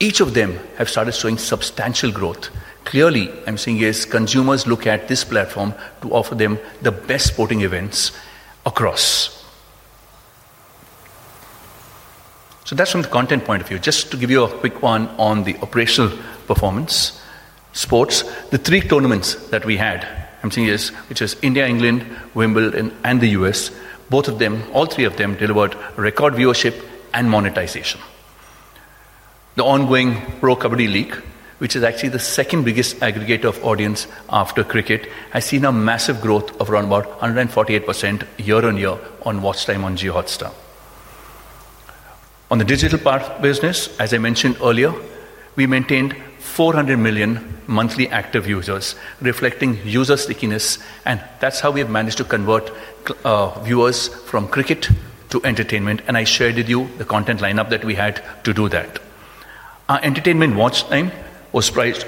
each of them have started showing substantial growth. Clearly, I'm saying consumers look at this platform to offer them the best sporting events across. That's from the content point of view. Just to give you a quick one on the operational performance, sports, the three tournaments that we had, which is India England, Wimbledon, and the U.S., all three of them delivered record viewership and monetization. The ongoing Pro Kabaddi League, which is actually the second biggest aggregator of audience after cricket, has seen a massive growth of around about 148% year-on-year on watch time on JioHotstar. On the digital part of the business, as I mentioned earlier, we maintained 400 million monthly active users, reflecting user stickiness. That's how we have managed to convert viewers from cricket to entertainment. I shared with you the content lineup that we had to do that. Our entertainment watch time was poised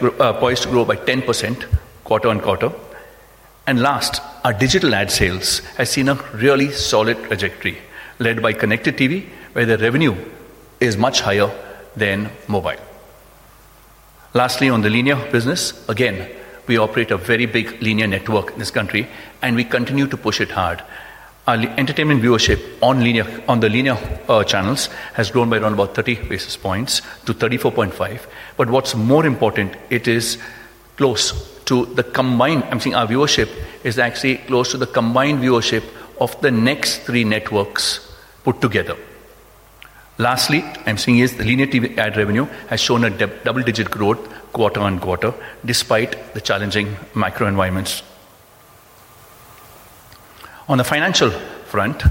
to grow by 10% quarter-on-quarter. Last, our digital ad sales have seen a really solid trajectory led by ConnectedTV, where the revenue is much higher than mobile. Lastly, on the linear business, again, we operate a very big linear network in this country. We continue to push it hard. Our entertainment viewership on the linear channels has grown by around about 30 basis points to 34.5 basis points. What's more important, it is close to the combined, I'm saying our viewership is actually close to the combined viewership of the next three networks put together. Lastly, the linear TV ad revenue has shown a double-digit growth quarter-on-quarter despite the challenging macro environments. On the financial front,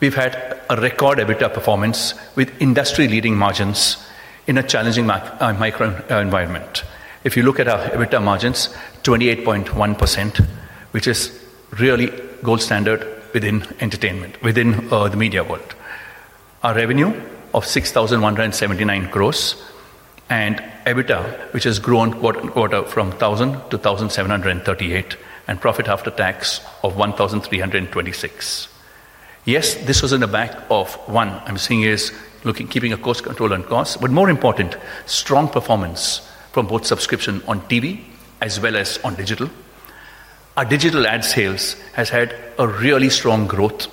we've had a record EBITDA performance with industry-leading margins in a challenging micro environment. If you look at our EBITDA margins, 28.1%, which is really gold standard within entertainment, within the media world. Our revenue of 6,179 crore and EBITDA, which has grown quarter from 1,000 crore to 1,738 crore, and profit after tax of 1,326 crore. Yes, this was in the back of one, I'm saying keeping a close control on cost. More important, strong performance from both subscription on TV as well as on digital. Our digital ad sales have had a really strong growth.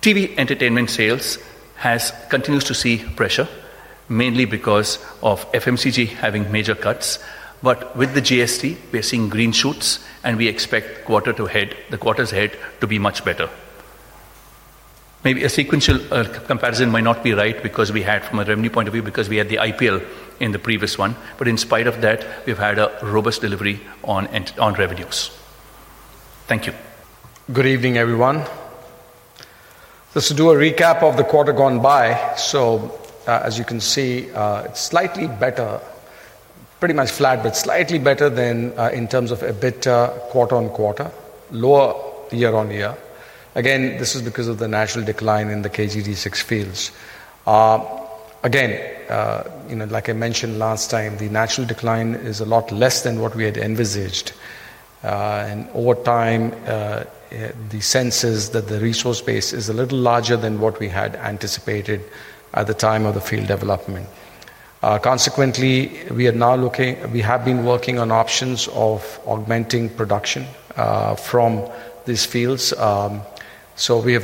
TV entertainment sales continue to see pressure, mainly because of FMCG having major cuts. With the GST, we are seeing green shoots. We expect the quarters ahead to be much better. Maybe a sequential comparison might not be right from a revenue point of view, because we had the IPL in the previous one. In spite of that, we've had a robust delivery on revenues. Thank you. Good evening, everyone. Just to do a recap of the quarter gone by. As you can see, it's slightly better, pretty much flat, but slightly better in terms of EBITDA quarter-on-quarter, lower year-on-year. This is because of the national decline in the KG D6 fields. Like I mentioned last time, the national decline is a lot less than what we had envisaged. Over time, the sense is that the resource base is a little larger than what we had anticipated at the time of the field development. Consequently, we are now looking, we have been working on options of augmenting production from these fields. We have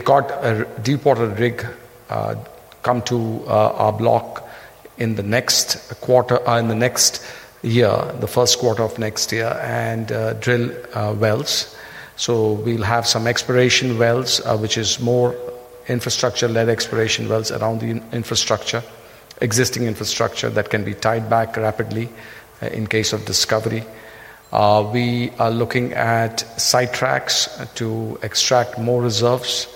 got a deepwater rig coming to our block in the first quarter of next year to drill wells. We will have some exploration wells, which are more infrastructure-led exploration wells around the existing infrastructure that can be tied back rapidly in case of discovery. We are looking at side tracks to extract more reserves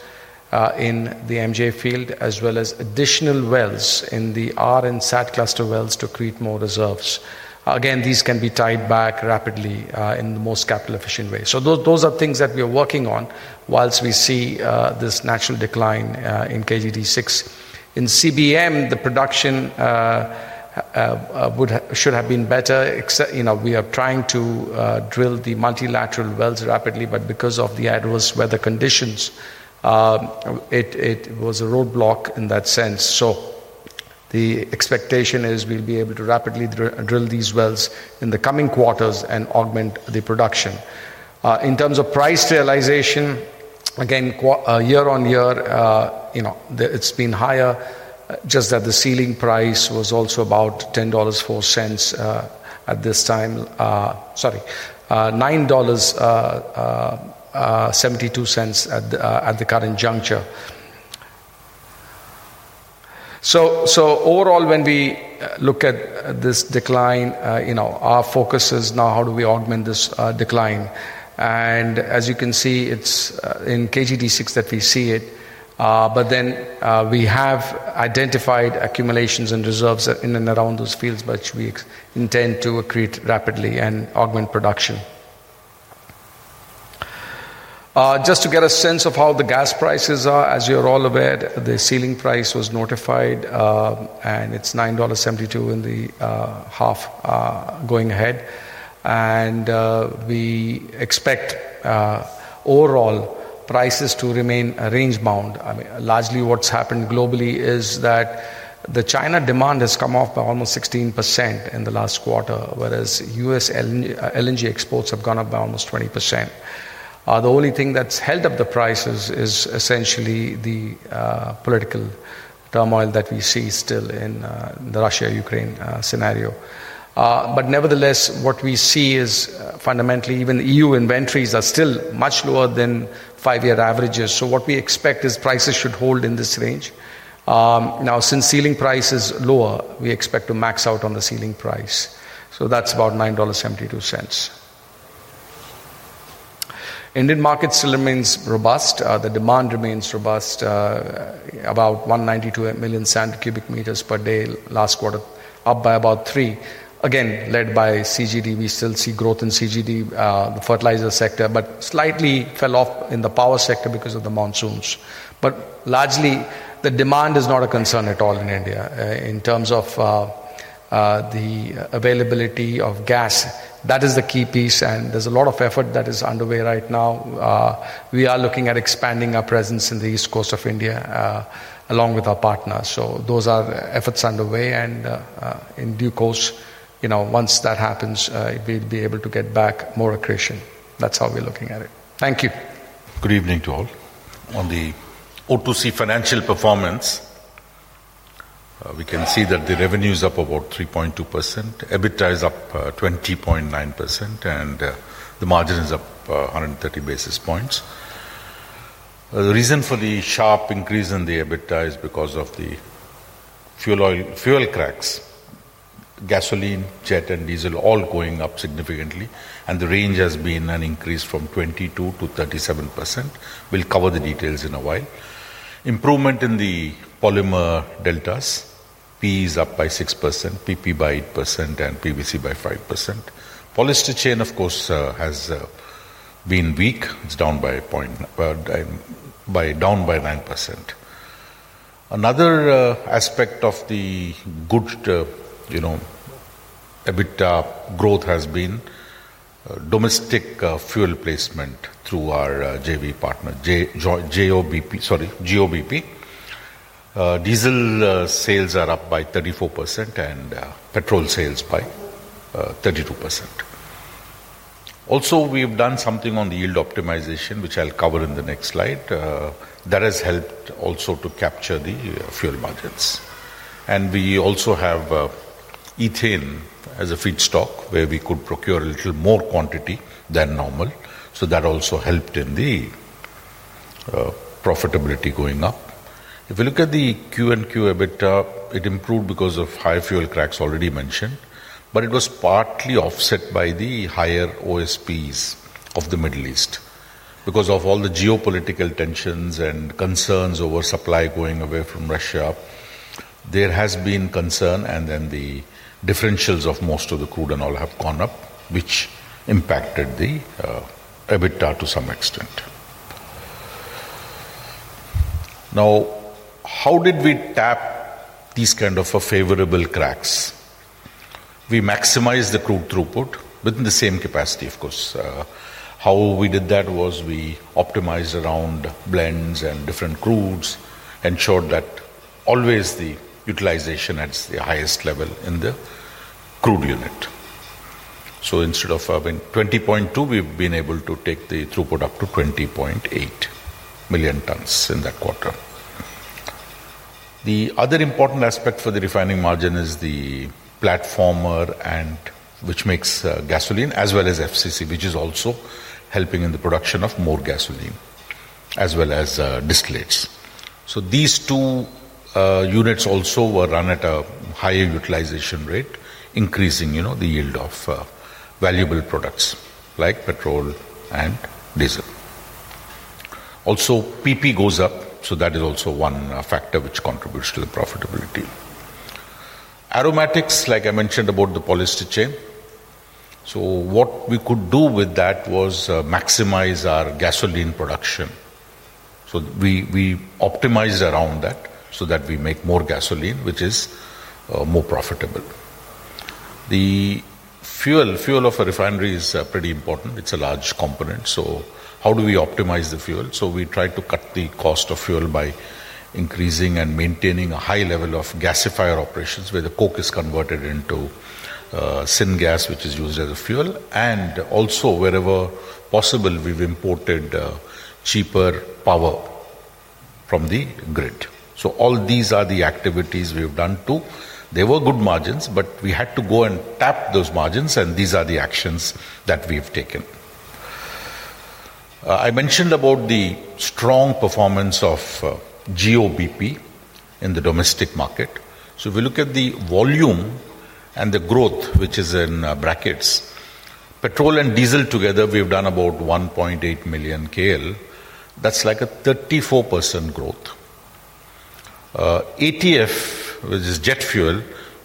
in the MJ field, as well as additional wells in the R and SAT cluster wells to create more reserves. These can be tied back rapidly in the most capital-efficient way. Those are things that we are working on whilst we see this national decline in KG D6. In CBM, the production should have been better. We are trying to drill the multilateral wells rapidly, but because of the adverse weather conditions, it was a roadblock in that sense. The expectation is we'll be able to rapidly drill these wells in the coming quarters and augment the production. In terms of price realization, year-on-year, it's been higher, just that the ceiling price was also about $10.04 at this time, sorry, $9.72 at the current juncture. Overall, when we look at this decline, our focus is now how do we augment this decline. As you can see, it's in KG D6 that we see it. We have identified accumulations and reserves in and around those fields, which we intend to create rapidly and augment production. Just to get a sense of how the gas prices are, as you're all aware, the ceiling price was notified. It's $9.72 in the half going ahead, and we expect overall prices to remain range-bound. Largely, what's happened globally is that the China demand has come off by almost 16% in the last quarter, whereas U.S. LNG exports have gone up by almost 20%. The only thing that's held up the prices is essentially the political turmoil that we see still in the Russia-Ukraine scenario. Nevertheless, what we see is fundamentally, even EU inventories are still much lower than five-year averages. We expect prices should hold in this range. Now, since ceiling price is lower, we expect to max out on the ceiling price. That's about $9.72. Indian market still remains robust. The demand remains robust, about 192 million cubic meters per day last quarter, up by about 3%. Again, led by CGD, we still see growth in CGD, the fertilizer sector, but slightly fell off in the power sector because of the monsoons. Largely, the demand is not a concern at all in India in terms of the availability of gas. That is the key piece. There's a lot of effort that is underway right now. We are looking at expanding our presence in the East Coast of India along with our partners. Those are efforts underway. In due course, once that happens, we'll be able to get back more accretion. That's how we're looking at it. Thank you. Good evening to all. On the O2C financial performance, we can see that the revenue is up about 3.2%. EBITDA is up 20.9%, and the margin is up 130 basis points. The reason for the sharp increase in the EBITDA is because of the fuel cracks, gasoline, jet, and diesel all going up significantly. The range has been an increase from 22% to 37%. We'll cover the details in a while. Improvement in the polymer deltas, PE is up by 6%, PP by 8%, and PVC by 5%. Polyester chain, of course, has been weak. It's down by 9%. Another aspect of the good EBITDA growth has been domestic fuel placement through our JV partner, JOBP. Diesel sales are up by 34% and petrol sales by 32%. Also, we've done something on the yield optimization, which I'll cover in the next slide. That has helped also to capture the fuel margins. We also have ethane as a feedstock where we could procure a little more quantity than normal. That also helped in the profitability going up. If you look at the Q&Q EBITDA, it improved because of high fuel cracks already mentioned. It was partly offset by the higher OSPs of the Middle East. Because of all the geopolitical tensions and concerns over supply going away from Russia, there has been concern. The differentials of most of the crude and oil have gone up, which impacted the EBITDA to some extent. Now, how did we tap these kind of favorable cracks? We maximized the crude throughput within the same capacity, of course. How we did that was we optimized around blends and different crudes, ensured that always the utilization at the highest level in the crude unit. Instead of having 20.2 million tons, we've been able to take the throughput up to 20.8 million tons in that quarter. The other important aspect for the refining margin is the platformer, which makes gasoline, as well as FCC, which is also helping in the production of more gasoline, as well as distillates. These two units also were run at a higher utilization rate, increasing the yield of valuable products like petrol and diesel. Also, PP goes up. That is also one factor which contributes to the profitability. Aromatics, like I mentioned about the polyester chain. What we could do with that was maximize our gasoline production. We optimized around that so that we make more gasoline, which is more profitable. The fuel of a refinery is pretty important. It's a large component. How do we optimize the fuel? We try to cut the cost of fuel by increasing and maintaining a high level of gasifier operations where the coke is converted into syngas, which is used as a fuel. Also, wherever possible, we've imported cheaper power from the grid. All these are the activities we've done too. They were good margins. We had to go and tap those margins. These are the actions that we've taken. I mentioned the strong performance of RBML in the domestic market. If we look at the volume and the growth, which is in brackets, petrol and diesel together, we've done about 1.8 million KL. That's like a 34% growth. ATF, which is jet fuel,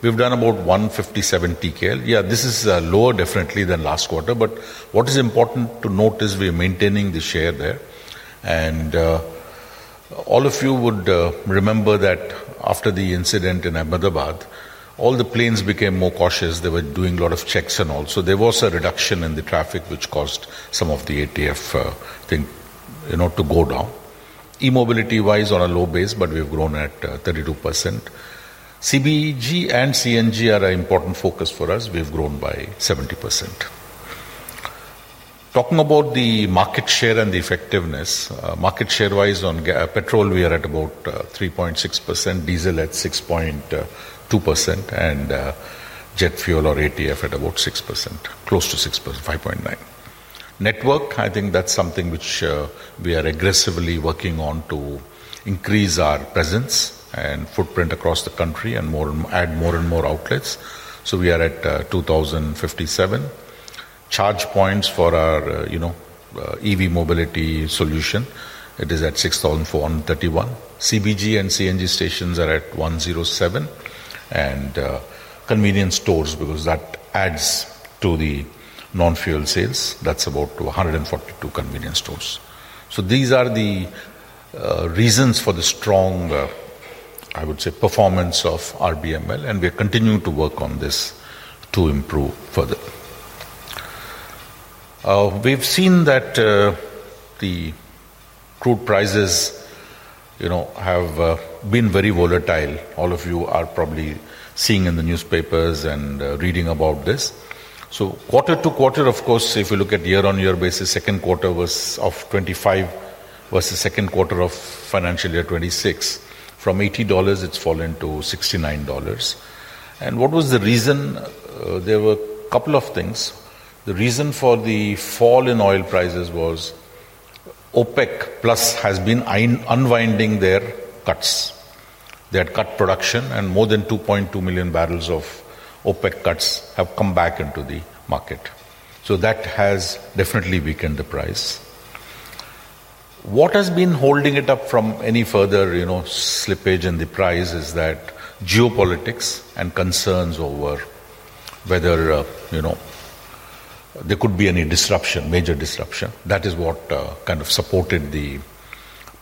we've done about 157 TKL. This is lower definitely than last quarter. What is important to note is we're maintaining the share there. All of you would remember that after the incident in Ahmedabad, all the planes became more cautious. They were doing a lot of checks and all. There was a reduction in the traffic, which caused some of the ATF thing to go down. E-mobility-wise, on a low base, but we've grown at 32%. CBG and CNG are an important focus for us. We've grown by 70%. Talking about the market share and the effectiveness, market share-wise on petrol, we are at about 3.6%, diesel at 6.2%, and jet fuel or ATF at about 6%, close to 6%, 5.9%. Network, I think that's something which we are aggressively working on to increase our presence and footprint across the country and add more and more outlets. We are at 2,057. Charge points for our EV mobility solution, it is at 6,431. CBG and CNG stations are at 1.07. Convenience stores, because that adds to the non-fuel sales, that's about 142 convenience stores. These are the reasons for the strong, I would say, performance of RBML. We're continuing to work on this to improve further. We've seen that the crude prices have been very volatile. All of you are probably seeing in the newspapers and reading about this. Quarter to quarter, of course, if you look at year-on-year basis, second quarter was of 2025 versus second quarter of financial year 2026. From $80, it's fallen to $69. What was the reason? There were a couple of things. The reason for the fall in oil prices was OPEC+ has been unwinding their cuts. They had cut production. More than 2.2 million bbl of OPEC cuts have come back into the market. That has definitely weakened the price. What has been holding it up from any further slippage in the price is that geopolitics and concerns over whether there could be any disruption, major disruption. That is what kind of supported the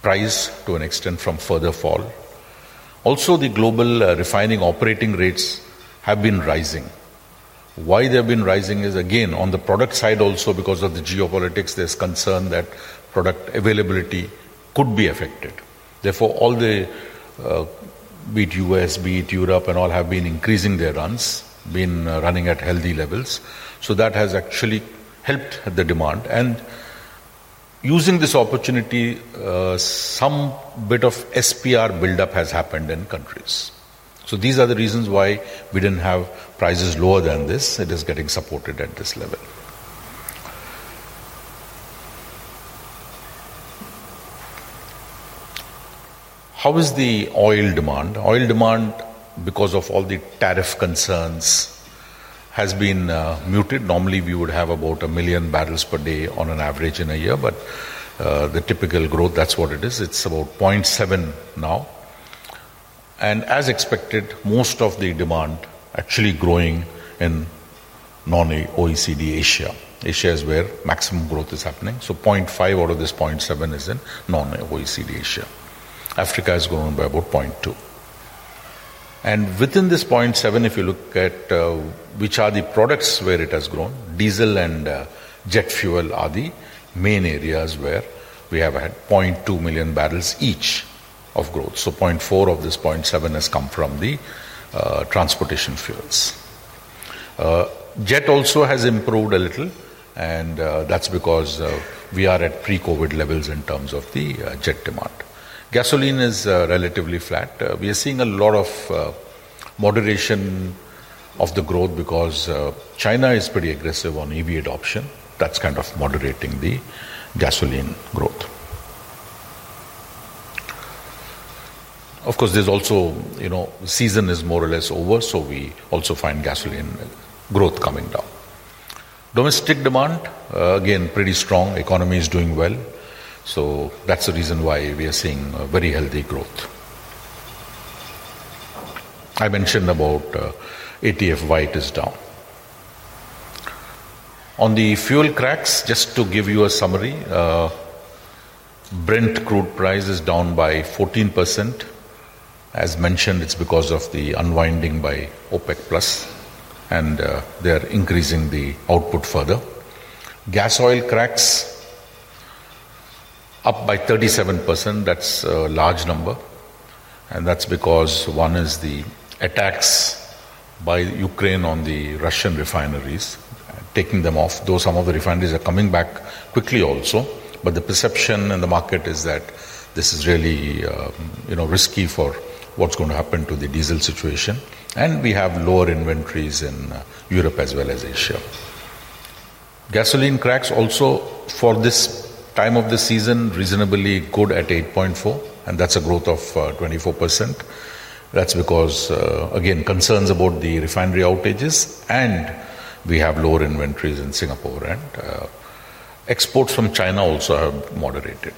price to an extent from further fall. Also, the global refining operating rates have been rising. Why they have been rising is, again, on the product side also, because of the geopolitics, there's concern that product availability could be affected. Therefore, all the, be it U.S., be it Europe, and all have been increasing their runs, been running at healthy levels. That has actually helped the demand. Using this opportunity, some bit of SPR buildup has happened in countries. These are the reasons why we didn't have prices lower than this. It is getting supported at this level. How is the oil demand? Oil demand, because of all the tariff concerns, has been muted. Normally, we would have about 1 million barrels per day on an average in a year. The typical growth, that's what it is. It's about 0.7 now. As expected, most of the demand is actually growing in non-OECD Asia. Asia is where maximum growth is happening. 0.5 out of this 0.7 is in non-OECD Asia. Africa is growing by about 0.2. Within this 0.7, if you look at which are the products where it has grown, diesel and jet fuel are the main areas where we have had 0.2 million barrels each of growth. 0.4 of this 0.7 has come from the transportation fuels. Jet also has improved a little. That's because we are at pre-COVID levels in terms of the jet demand. Gasoline is relatively flat. We are seeing a lot of moderation of the growth because China is pretty aggressive on EV adoption. That's kind of moderating the gasoline growth. Of course, there's also, you know, season is more or less over. We also find gasoline growth coming down. Domestic demand, again, pretty strong. Economy is doing well. That's the reason why we are seeing very healthy growth. I mentioned about ATF, why it is down. On the fuel cracks, just to give you a summary, Brent crude price is down by 14%. As mentioned, it's because of the unwinding by OPEC+. They are increasing the output further. Gas oil cracks up by 37%. That's a large number. That's because one is the attacks by Ukraine on the Russian refineries, taking them off. Though some of the refineries are coming back quickly also, the perception in the market is that this is really risky for what's going to happen to the diesel situation. We have lower inventories in Europe as well as Asia. Gasoline cracks also for this time of the season are reasonably good at 8.4. That's a growth of 24%. That's because, again, concerns about the refinery outages. We have lower inventories in Singapore, and exports from China also have moderated.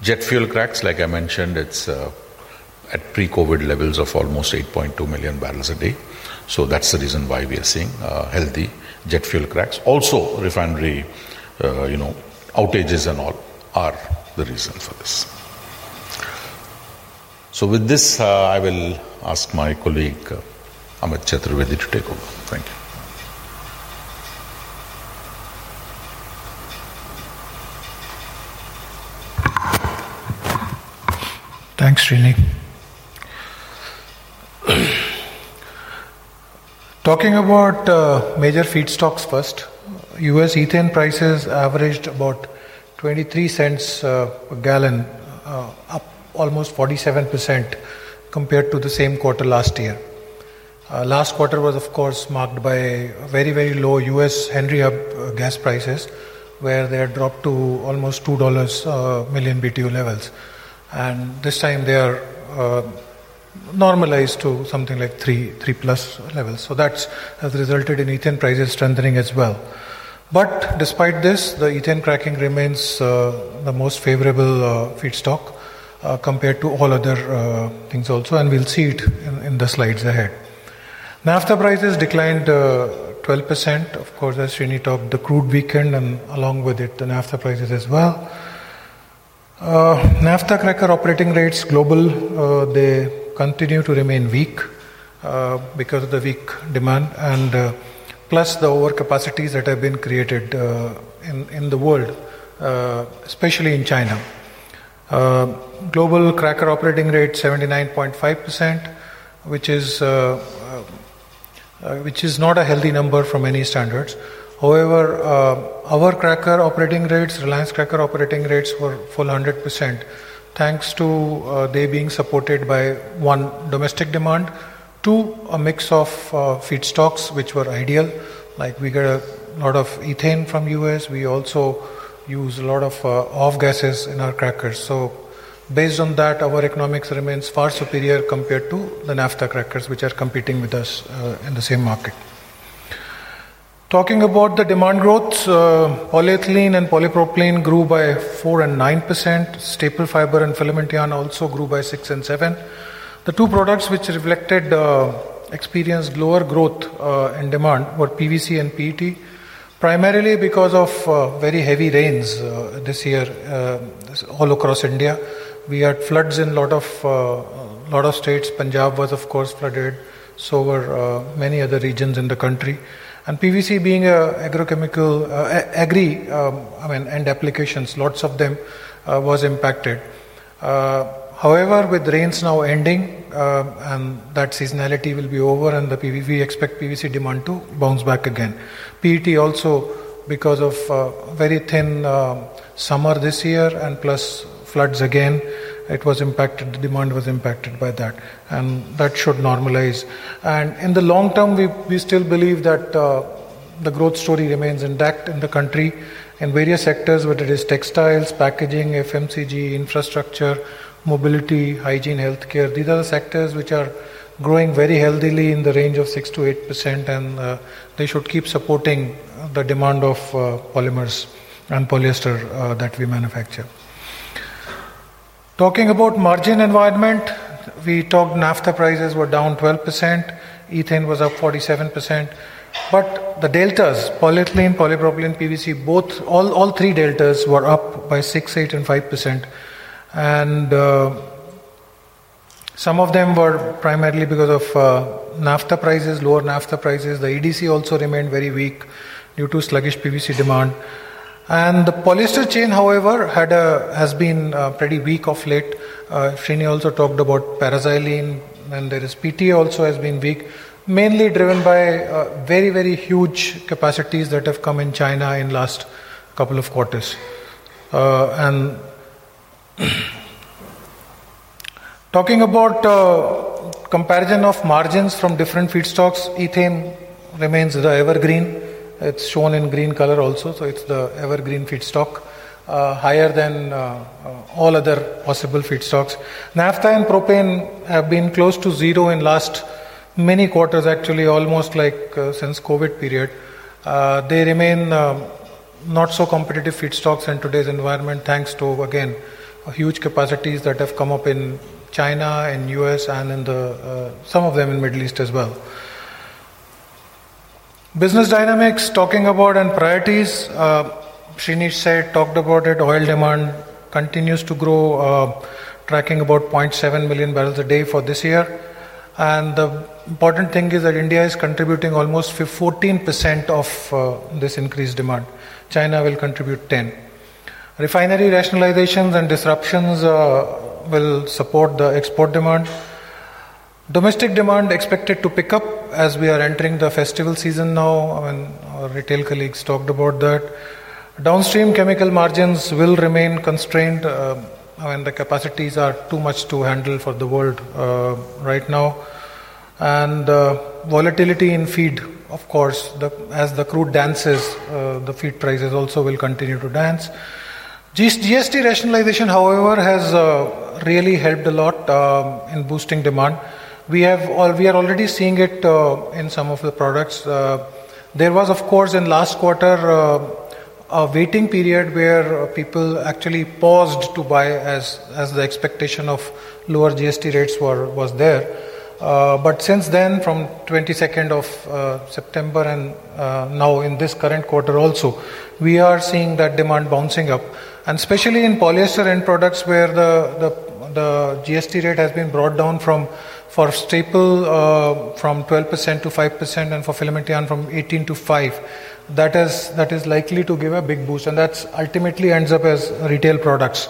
Jet fuel cracks, like I mentioned, are at pre-COVID levels of almost 8.2 million barrels a day. That's the reason why we are seeing healthy jet fuel cracks. Also, refinery outages and all are the reason for this. With this, I will ask my colleague Amit Chaturvedi to take over. Thank you. Thanks, Rini. Talking about major feedstocks first, U.S. ethane prices averaged about $0.23 per gallon, up almost 47% compared to the same quarter last year. Last quarter was, of course, marked by very, very low U.S. Henry Hub gas prices, where they had dropped to almost $2 per million BTU levels. This time, they are normalized to something like 3+ levels. That has resulted in ethane prices strengthening as well. Despite this, the ethane cracking remains the most favorable feedstock compared to all other things also. We will see it in the slides ahead. Naphtha prices declined 12%. As Rini talked, the crude weakened and along with it, the naphtha prices as well. Naphtha cracker operating rates global, they continue to remain weak because of the weak demand and the overcapacities that have been created in the world, especially in China. Global cracker operating rates, 79.5%, which is not a healthy number from any standards. However, our cracker operating rates, Reliance's cracker operating rates, were full 100% thanks to being supported by, one, domestic demand, two, a mix of feedstocks, which were ideal. We get a lot of ethane from the U.S. We also use a lot of off-gases in our crackers. Based on that, our economics remains far superior compared to the naphtha crackers, which are competing with us in the same market. Talking about the demand growth, polyethylene and polypropylene grew by 4% and 9%. Staple fiber and filament yarn also grew by 6% and 7%. The two products which experienced lower growth in demand were PVC and PET, primarily because of very heavy rains this year all across India. We had floods in a lot of states. Punjab was, of course, flooded. Many other regions in the country were also affected. PVC being agri and applications, lots of them was impacted. With rains now ending and that seasonality will be over, we expect PVC demand to bounce back again. PET also, because of a very thin summer this year and floods again, it was impacted. The demand was impacted by that. That should normalize. In the long term, we still believe that the growth story remains intact in the country in various sectors, whether it is textiles, packaging, FMCG, infrastructure, mobility, hygiene, health care. These are the sectors which are growing very healthily in the range of 6%-8%, and they should keep supporting the demand of polymers and polyester that we manufacture. Talking about margin environment, we talked NAFTA prices were down 12%. Ethane was up 47%. The Deltas, polyethylene, polypropylene, PVC, all three Deltas were up by 6%, 8%, and 5%. Some of them were primarily because of lower NAFTA prices. The EDC also remained very weak due to sluggish PVC demand. The polyester chain, however, has been pretty weak of late. Shrini also talked about paraxylene, and there is PTA also has been weak, mainly driven by very, very huge capacities that have come in China in the last couple of quarters. Talking about comparison of margins from different feedstocks, ethane remains the evergreen. It's shown in green color also, so it's the evergreen feedstock, higher than all other possible feedstocks. NAFTA and propane have been close to zero in the last many quarters, actually, almost like since the COVID period. They remain not so competitive feedstocks in today's environment, thanks to huge capacities that have come up in China and the U.S. and in some of them in the Middle East as well. Business dynamics and priorities, Shrini talked about it. Oil demand continues to grow, tracking about 0.7 million barrels a day for this year. The important thing is that India is contributing almost 14% of this increased demand. China will contribute 10%. Refinery rationalizations and disruptions will support the export demand. Domestic demand is expected to pick up as we are entering the festival season now. Our retail colleagues talked about that. Downstream chemical margins will remain constrained when the capacities are too much to handle for the world right now. Volatility in feed, of course, as the crude dances, the feed prices also will continue to dance. GST rationalization, however, has really helped a lot in boosting demand. We are already seeing it in some of the products. There was, of course, in the last quarter, a waiting period where people actually paused to buy as the expectation of lower GST rates was there. Since then, from the 22nd of September and now in this current quarter also, we are seeing that demand bouncing up, especially in polyester end products where the GST rate has been brought down for staple from 12% to 5% and for filament from 18% to 5%. That is likely to give a big boost. That ultimately ends up as retail products.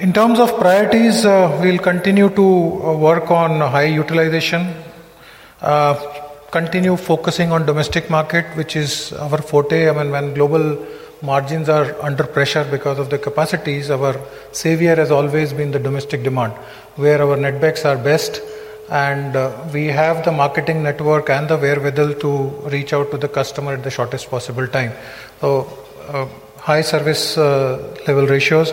In terms of priorities, we will continue to work on high utilization, continue focusing on the domestic market, which is our forte. When global margins are under pressure because of the capacities, our savior has always been the domestic demand, where our netbacks are best. We have the marketing network and the wherewithal to reach out to the customer at the shortest possible time, so high service level ratios.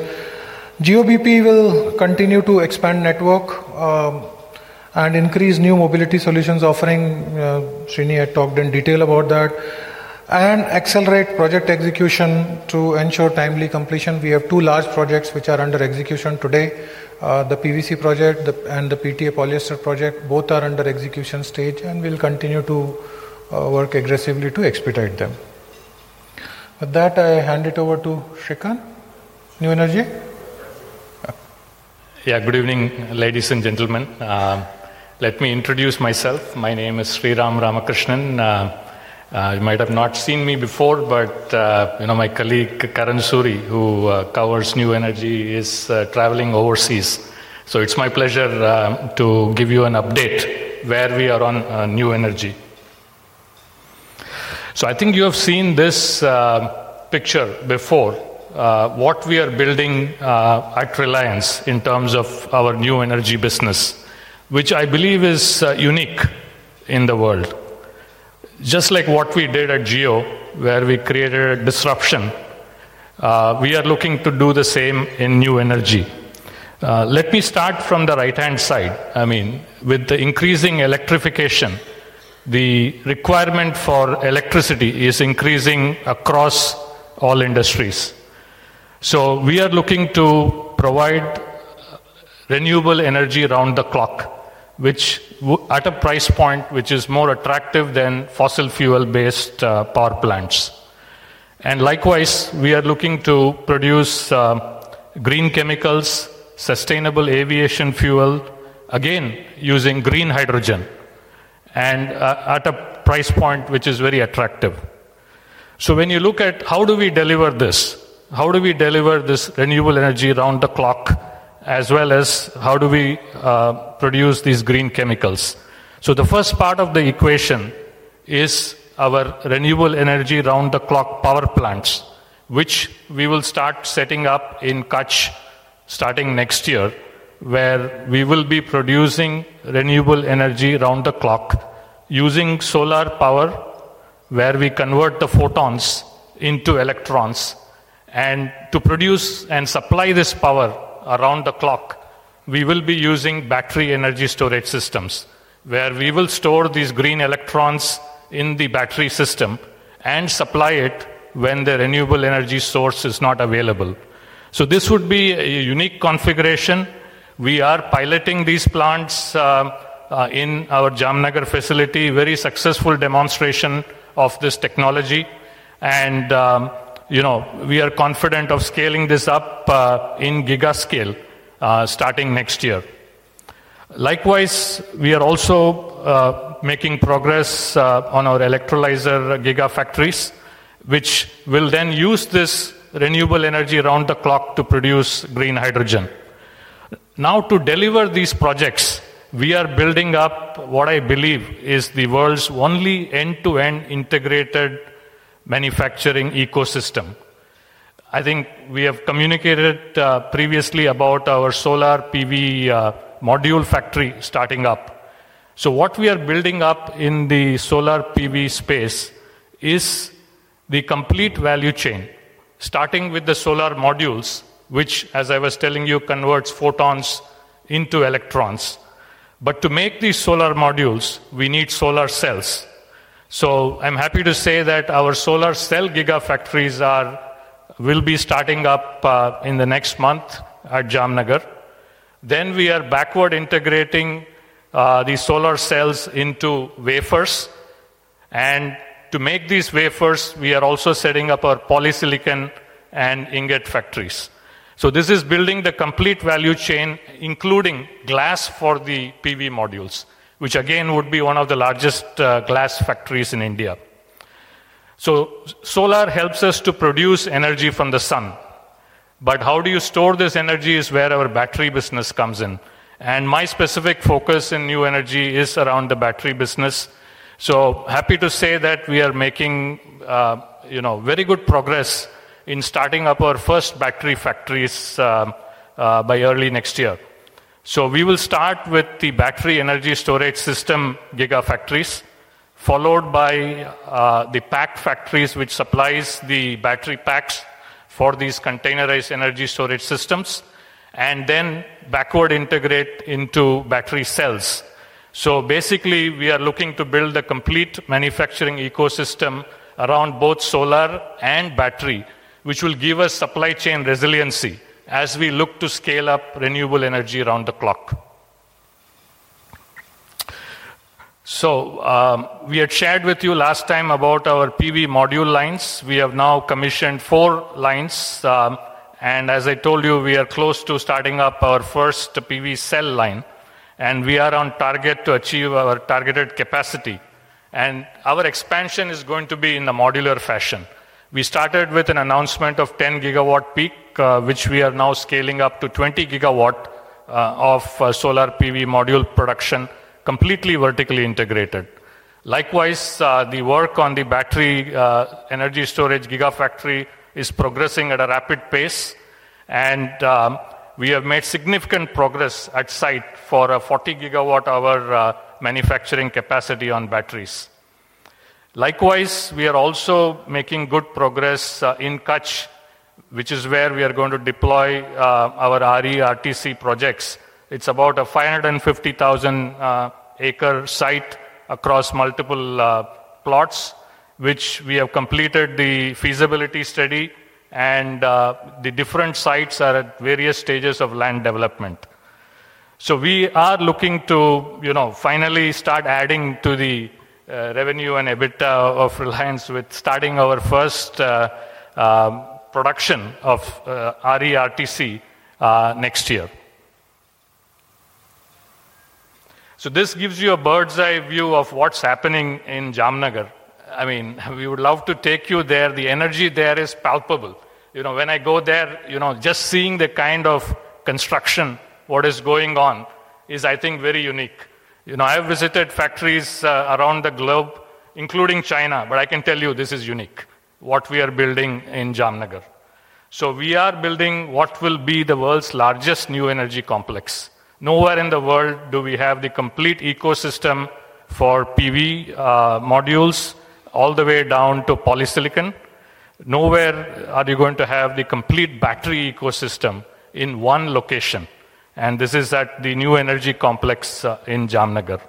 GOBP will continue to expand the network and increase new mobility solutions offering. Shrini had talked in detail about that. Accelerate project execution to ensure timely completion. We have two large projects which are under execution today, the PVC project and the PTA polyester project. Both are under execution stage and will continue to work aggressively to expedite them. With that, I hand it over to Srikanth New Energy. Yeah, good evening, ladies and gentlemen. Let me introduce myself. My name is Sriram Ramakrishnan. You might have not seen me before, but my colleague Karan Suri, who covers New Energy, is traveling overseas. It's my pleasure to give you an update where we are on New Energy. I think you have seen this picture before, what we are building at Reliance in terms of our New Energy business, which I believe is unique in the world. Just like what we did at Jio, where we created a disruption, we are looking to do the same in New Energy. Let me start from the right-hand side. I mean, with the increasing electrification, the requirement for electricity is increasing across all industries. We are looking to provide renewable energy around the clock, at a price point which is more attractive than fossil fuel-based power plants. Likewise, we are looking to produce green chemicals, sustainable aviation fuel, again, using green hydrogen, and at a price point which is very attractive. When you look at how do we deliver this, how do we deliver this renewable energy around the clock, as well as how do we produce these green chemicals? The first part of the equation is our renewable energy round-the-clock power plants, which we will start setting up in Kutch starting next year, where we will be producing renewable energy around the clock using solar power, where we convert the photons into electrons. To produce and supply this power around the clock, we will be using battery energy storage systems, where we will store these green electrons in the battery system and supply it when the renewable energy source is not available. This would be a unique configuration. We are piloting these plants in our Jamnagar facility, a very successful demonstration of this technology. We are confident of scaling this up in giga scale starting next year. Likewise, we are also making progress on our electrolyzer gigafactories, which will then use this renewable energy around the clock to produce green hydrogen. Now, to deliver these projects, we are building up what I believe is the world's only end-to-end integrated manufacturing ecosystem. I think we have communicated previously about our solar PV module factory starting up. What we are building up in the solar PV space is the complete value chain, starting with the solar modules, which, as I was telling you, converts photons into electrons. To make these solar modules, we need solar cells. I'm happy to say that our solar cell gigafactories will be starting up in the next month at Jamnagar. We are backward integrating these solar cells into wafers. To make these wafers, we are also setting up our polysilicon and ingot factories. This is building the complete value chain, including glass for the PV modules, which again would be one of the largest glass factories in India. Solar helps us to produce energy from the sun. How you store this energy is where our battery business comes in. My specific focus in New Energy is around the battery business. I'm happy to say that we are making very good progress in starting up our first battery factories by early next year. We will start with the battery energy storage system gigafactories, followed by the pack factories, which supply the battery packs for these containerized energy storage systems, and then backward integrate into battery cells. We are looking to build a complete manufacturing ecosystem around both solar and battery, which will give us supply chain resiliency as we look to scale up renewable energy around the clock. We had shared with you last time about our PV module lines. We have now commissioned four lines. As I told you, we are close to starting up our first PV cell line. We are on target to achieve our targeted capacity. Our expansion is going to be in a modular fashion. We started with an announcement of 10 GW peak, which we are now scaling up to 20 GW of solar PV module production, completely vertically integrated. Likewise, the work on the battery energy storage gigafactory is progressing at a rapid pace. We have made significant progress at site for a 40 GWh manufacturing capacity on batteries. We are also making good progress in Kutch, which is where we are going to deploy our RE/RTC projects. It's about a 550,000-acre site across multiple plots, which we have completed the feasibility study. The different sites are at various stages of land development. We are looking to finally start adding to the revenue and EBITDA of Reliance with starting our first production of RE/RTC next year. This gives you a bird's eye view of what's happening in Jamnagar. We would love to take you there. The energy there is palpable. When I go there, just seeing the kind of construction, what is going on is, I think, very unique. I have visited factories around the globe, including China, but I can tell you this is unique, what we are building in Jamnagar. We are building what will be the world's largest new energy complex. Nowhere in the world do we have the complete ecosystem for PV modules all the way down to polysilicon. Nowhere are you going to have the complete battery ecosystem in one location. This is at the new energy complex in Jamnagar.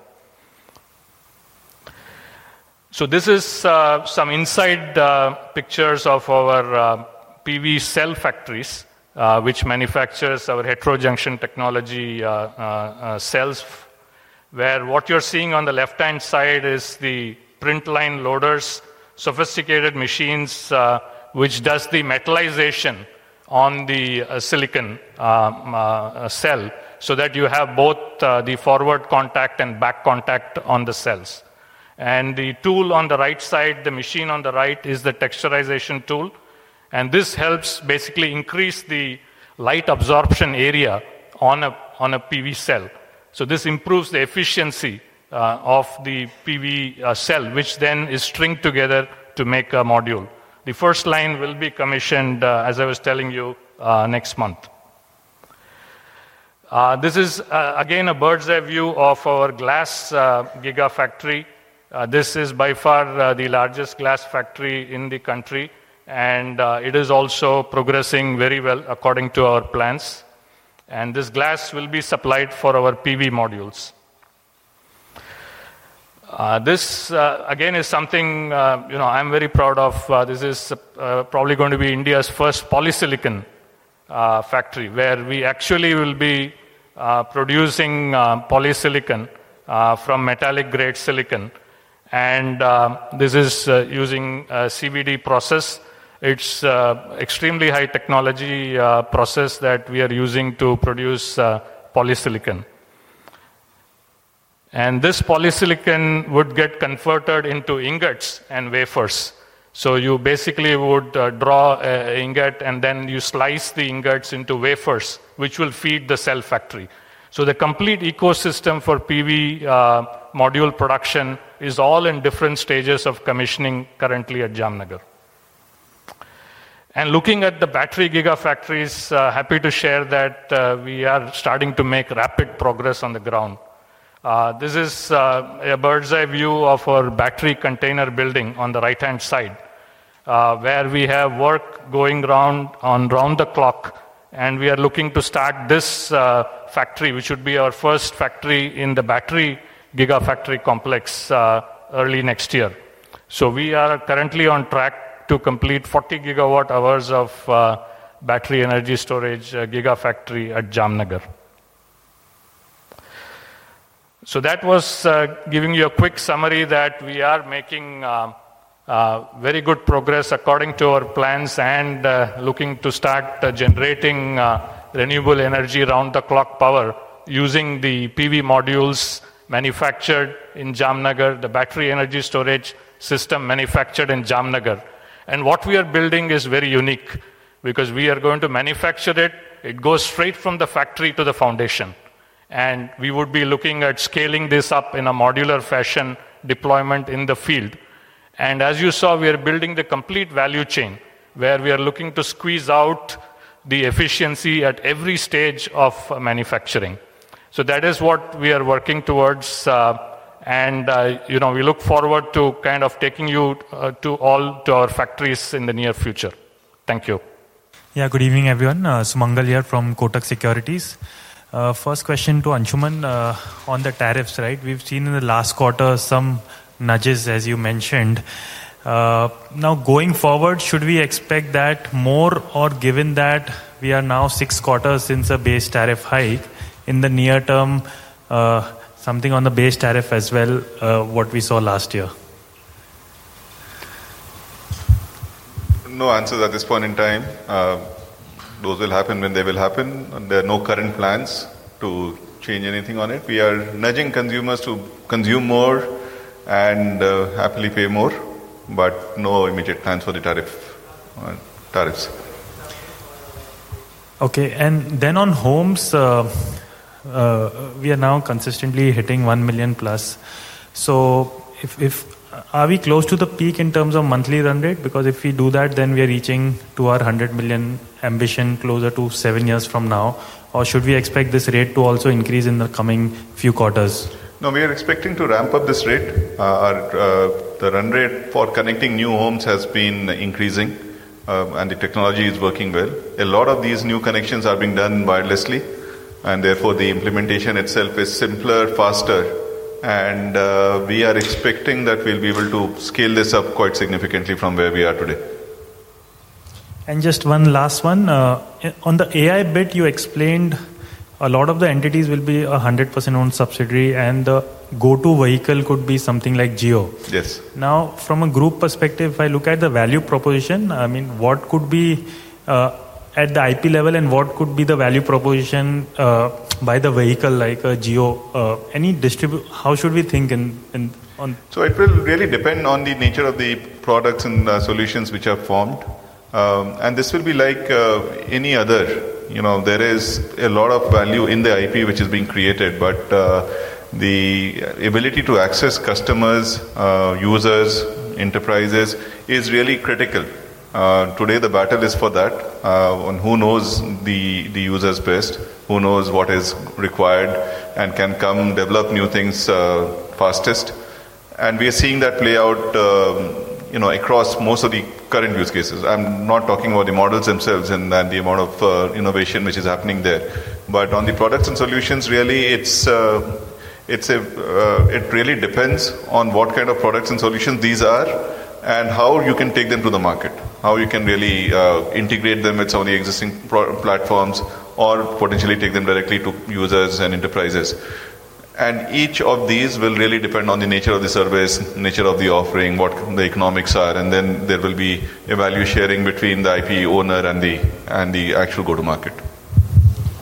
This is some inside pictures of our PV cell factories, which manufactures our heterojunction technology cells, where what you're seeing on the left-hand side is the print line loaders, sophisticated machines, which do the metallization on the silicon cell so that you have both the forward contact and back contact on the cells. The tool on the right side, the machine on the right, is the texturization tool. This helps basically increase the light absorption area on a PV cell. This improves the efficiency of the PV cell, which then is stringed together to make a module. The first line will be commissioned, as I was telling you, next month. This is, again, a bird's eye view of our glass gigafactory. This is by far the largest glass factory in the country. It is also progressing very well, according to our plans. This glass will be supplied for our PV modules. This, again, is something I'm very proud of. This is probably going to be India's first polysilicon factory, where we actually will be producing polysilicon from metallic-grade silicon. This is using a CBD process. It's an extremely high-technology process that we are using to produce polysilicon. This polysilicon would get converted into ingots and wafers. You basically would draw an ingot, and then you slice the ingots into wafers, which will feed the cell factory. The complete ecosystem for PV module production is all in different stages of commissioning currently at Jamnagar. Looking at the battery gigafactories, happy to share that we are starting to make rapid progress on the ground. This is a bird's eye view of our battery container building on the right-hand side, where we have work going around on round the clock. We are looking to start this factory, which would be our first factory in the battery gigafactory complex, early next year. We are currently on track to complete 40 GWh of battery energy storage gigafactory at Jamnagar. That was giving you a quick summary that we are making very good progress, according to our plans, and looking to start generating renewable energy around-the-clock power using the PV modules manufactured in Jamnagar, the battery energy storage system manufactured in Jamnagar. What we are building is very unique because we are going to manufacture it. It goes straight from the factory to the foundation. We would be looking at scaling this up in a modular fashion deployment in the field. As you saw, we are building the complete value chain, where we are looking to squeeze out the efficiency at every stage of manufacturing. That is what we are working towards. We look forward to kind of taking you all to our factories in the near future. Thank you. Yeah, good evening, everyone. Sumangal here from Kotak Securities. First question to Anshuman on the tariffs, right? We've seen in the last quarter some nudges, as you mentioned. Now, going forward, should we expect that more, or given that we are now six quarters since a base tariff hike, in the near term, something on the base tariff as well, what we saw last year? No answers at this point in time. Those will happen when they will happen. There are no current plans to change anything on it. We are nudging consumers to consume more and happily pay more, but no immediate plans for the tariffs. OK. On homes, we are now consistently hitting 1 million+. Are we close to the peak in terms of monthly run rate? If we do that, we are reaching our 100 million ambition closer to seven years from now. Should we expect this rate to also increase in the coming few quarters? No, we are expecting to ramp up this rate. The run rate for connecting new homes has been increasing, and the technology is working well. A lot of these new connections are being done wirelessly, therefore, the implementation itself is simpler and faster. We are expecting that we'll be able to scale this up quite significantly from where we are today. Just one last one. On the AI bit, you explained a lot of the entities will be 100% owned subsidiary, and the go-to vehicle could be something like Jio. Yes. Now, from a group perspective, if I look at the value proposition, I mean, what could be at the IP level, and what could be the value proposition by the vehicle, like Jio? How should we think? It will really depend on the nature of the products and the solutions which are formed. There is a lot of value in the IP which is being created, but the ability to access customers, users, enterprises is really critical. Today, the battle is for that. Who knows the users best? Who knows what is required and can come develop new things fastest? We are seeing that play out across most of the current use cases. I'm not talking about the models themselves and the amount of innovation which is happening there. On the products and solutions, it really depends on what kind of products and solutions these are and how you can take them to the market, how you can really integrate them with some of the existing platforms or potentially take them directly to users and enterprises. Each of these will really depend on the nature of the service, nature of the offering, what the economics are. There will be a value sharing between the IP owner and the actual go-to market.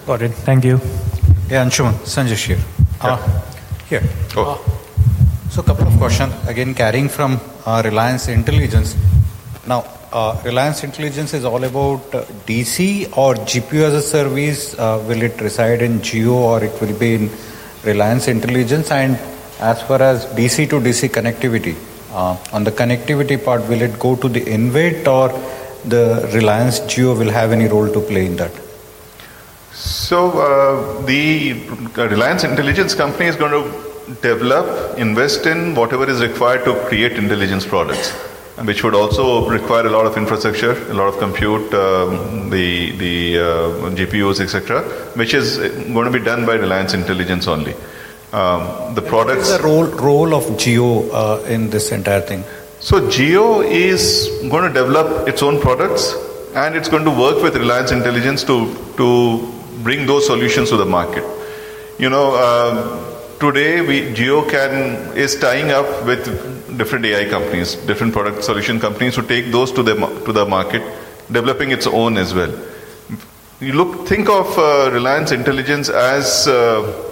Got it. Thank you. Yeah, Anshuman, Sanjay's here. Hi. Here. Oh. A couple of questions, again, carrying from Reliance Intelligence. Now, Reliance Intelligence is all about DC or GPO as a service. Will it reside in Jio, or could it be in Reliance Intelligence? As far as DC to DC connectivity, on the connectivity part, will it go to the InvAID, or the Reliance Jio will have any role to play in that? Reliance Intelligence is going to develop, invest in whatever is required to create intelligence products, which would also require a lot of infrastructure, a lot of compute, the GPUs, et cetera, which is going to be done by Reliance Intelligence only. What's the role of Jio in this entire thing? Jio is going to develop its own products, and it's going to work with Reliance Intelligence to bring those solutions to the market. Today, Jio is tying up with different AI companies, different product solution companies to take those to the market, developing its own as well. Think of Reliance Intelligence as the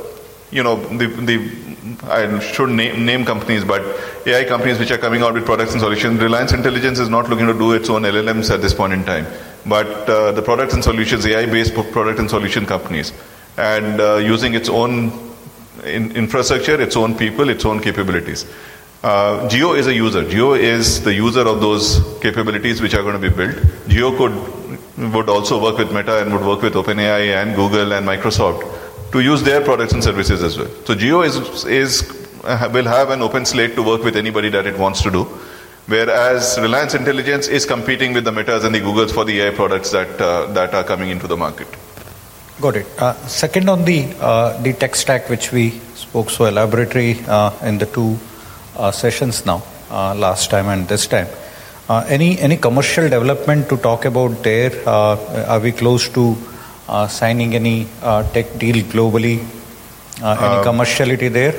AI companies which are coming out with products and solutions. Reliance Intelligence is not looking to do its own LLMs at this point in time, but the products and solutions, AI-based product and solution companies, and using its own infrastructure, its own people, its own capabilities. Jio is a user. Jio is the user of those capabilities which are going to be built. Jio would also work with Meta and would work with OpenAI and Google and Microsoft to use their products and services as well. Jio will have an open slate to work with anybody that it wants to do, whereas Reliance Intelligence is competing with the Metas and the Googles for the AI products that are coming into the market. Got it. Second, on the tech stack, which we spoke so elaborately in the two sessions now, last time and this time, any commercial development to talk about there? Are we close to signing any tech deal globally? Any commerciality there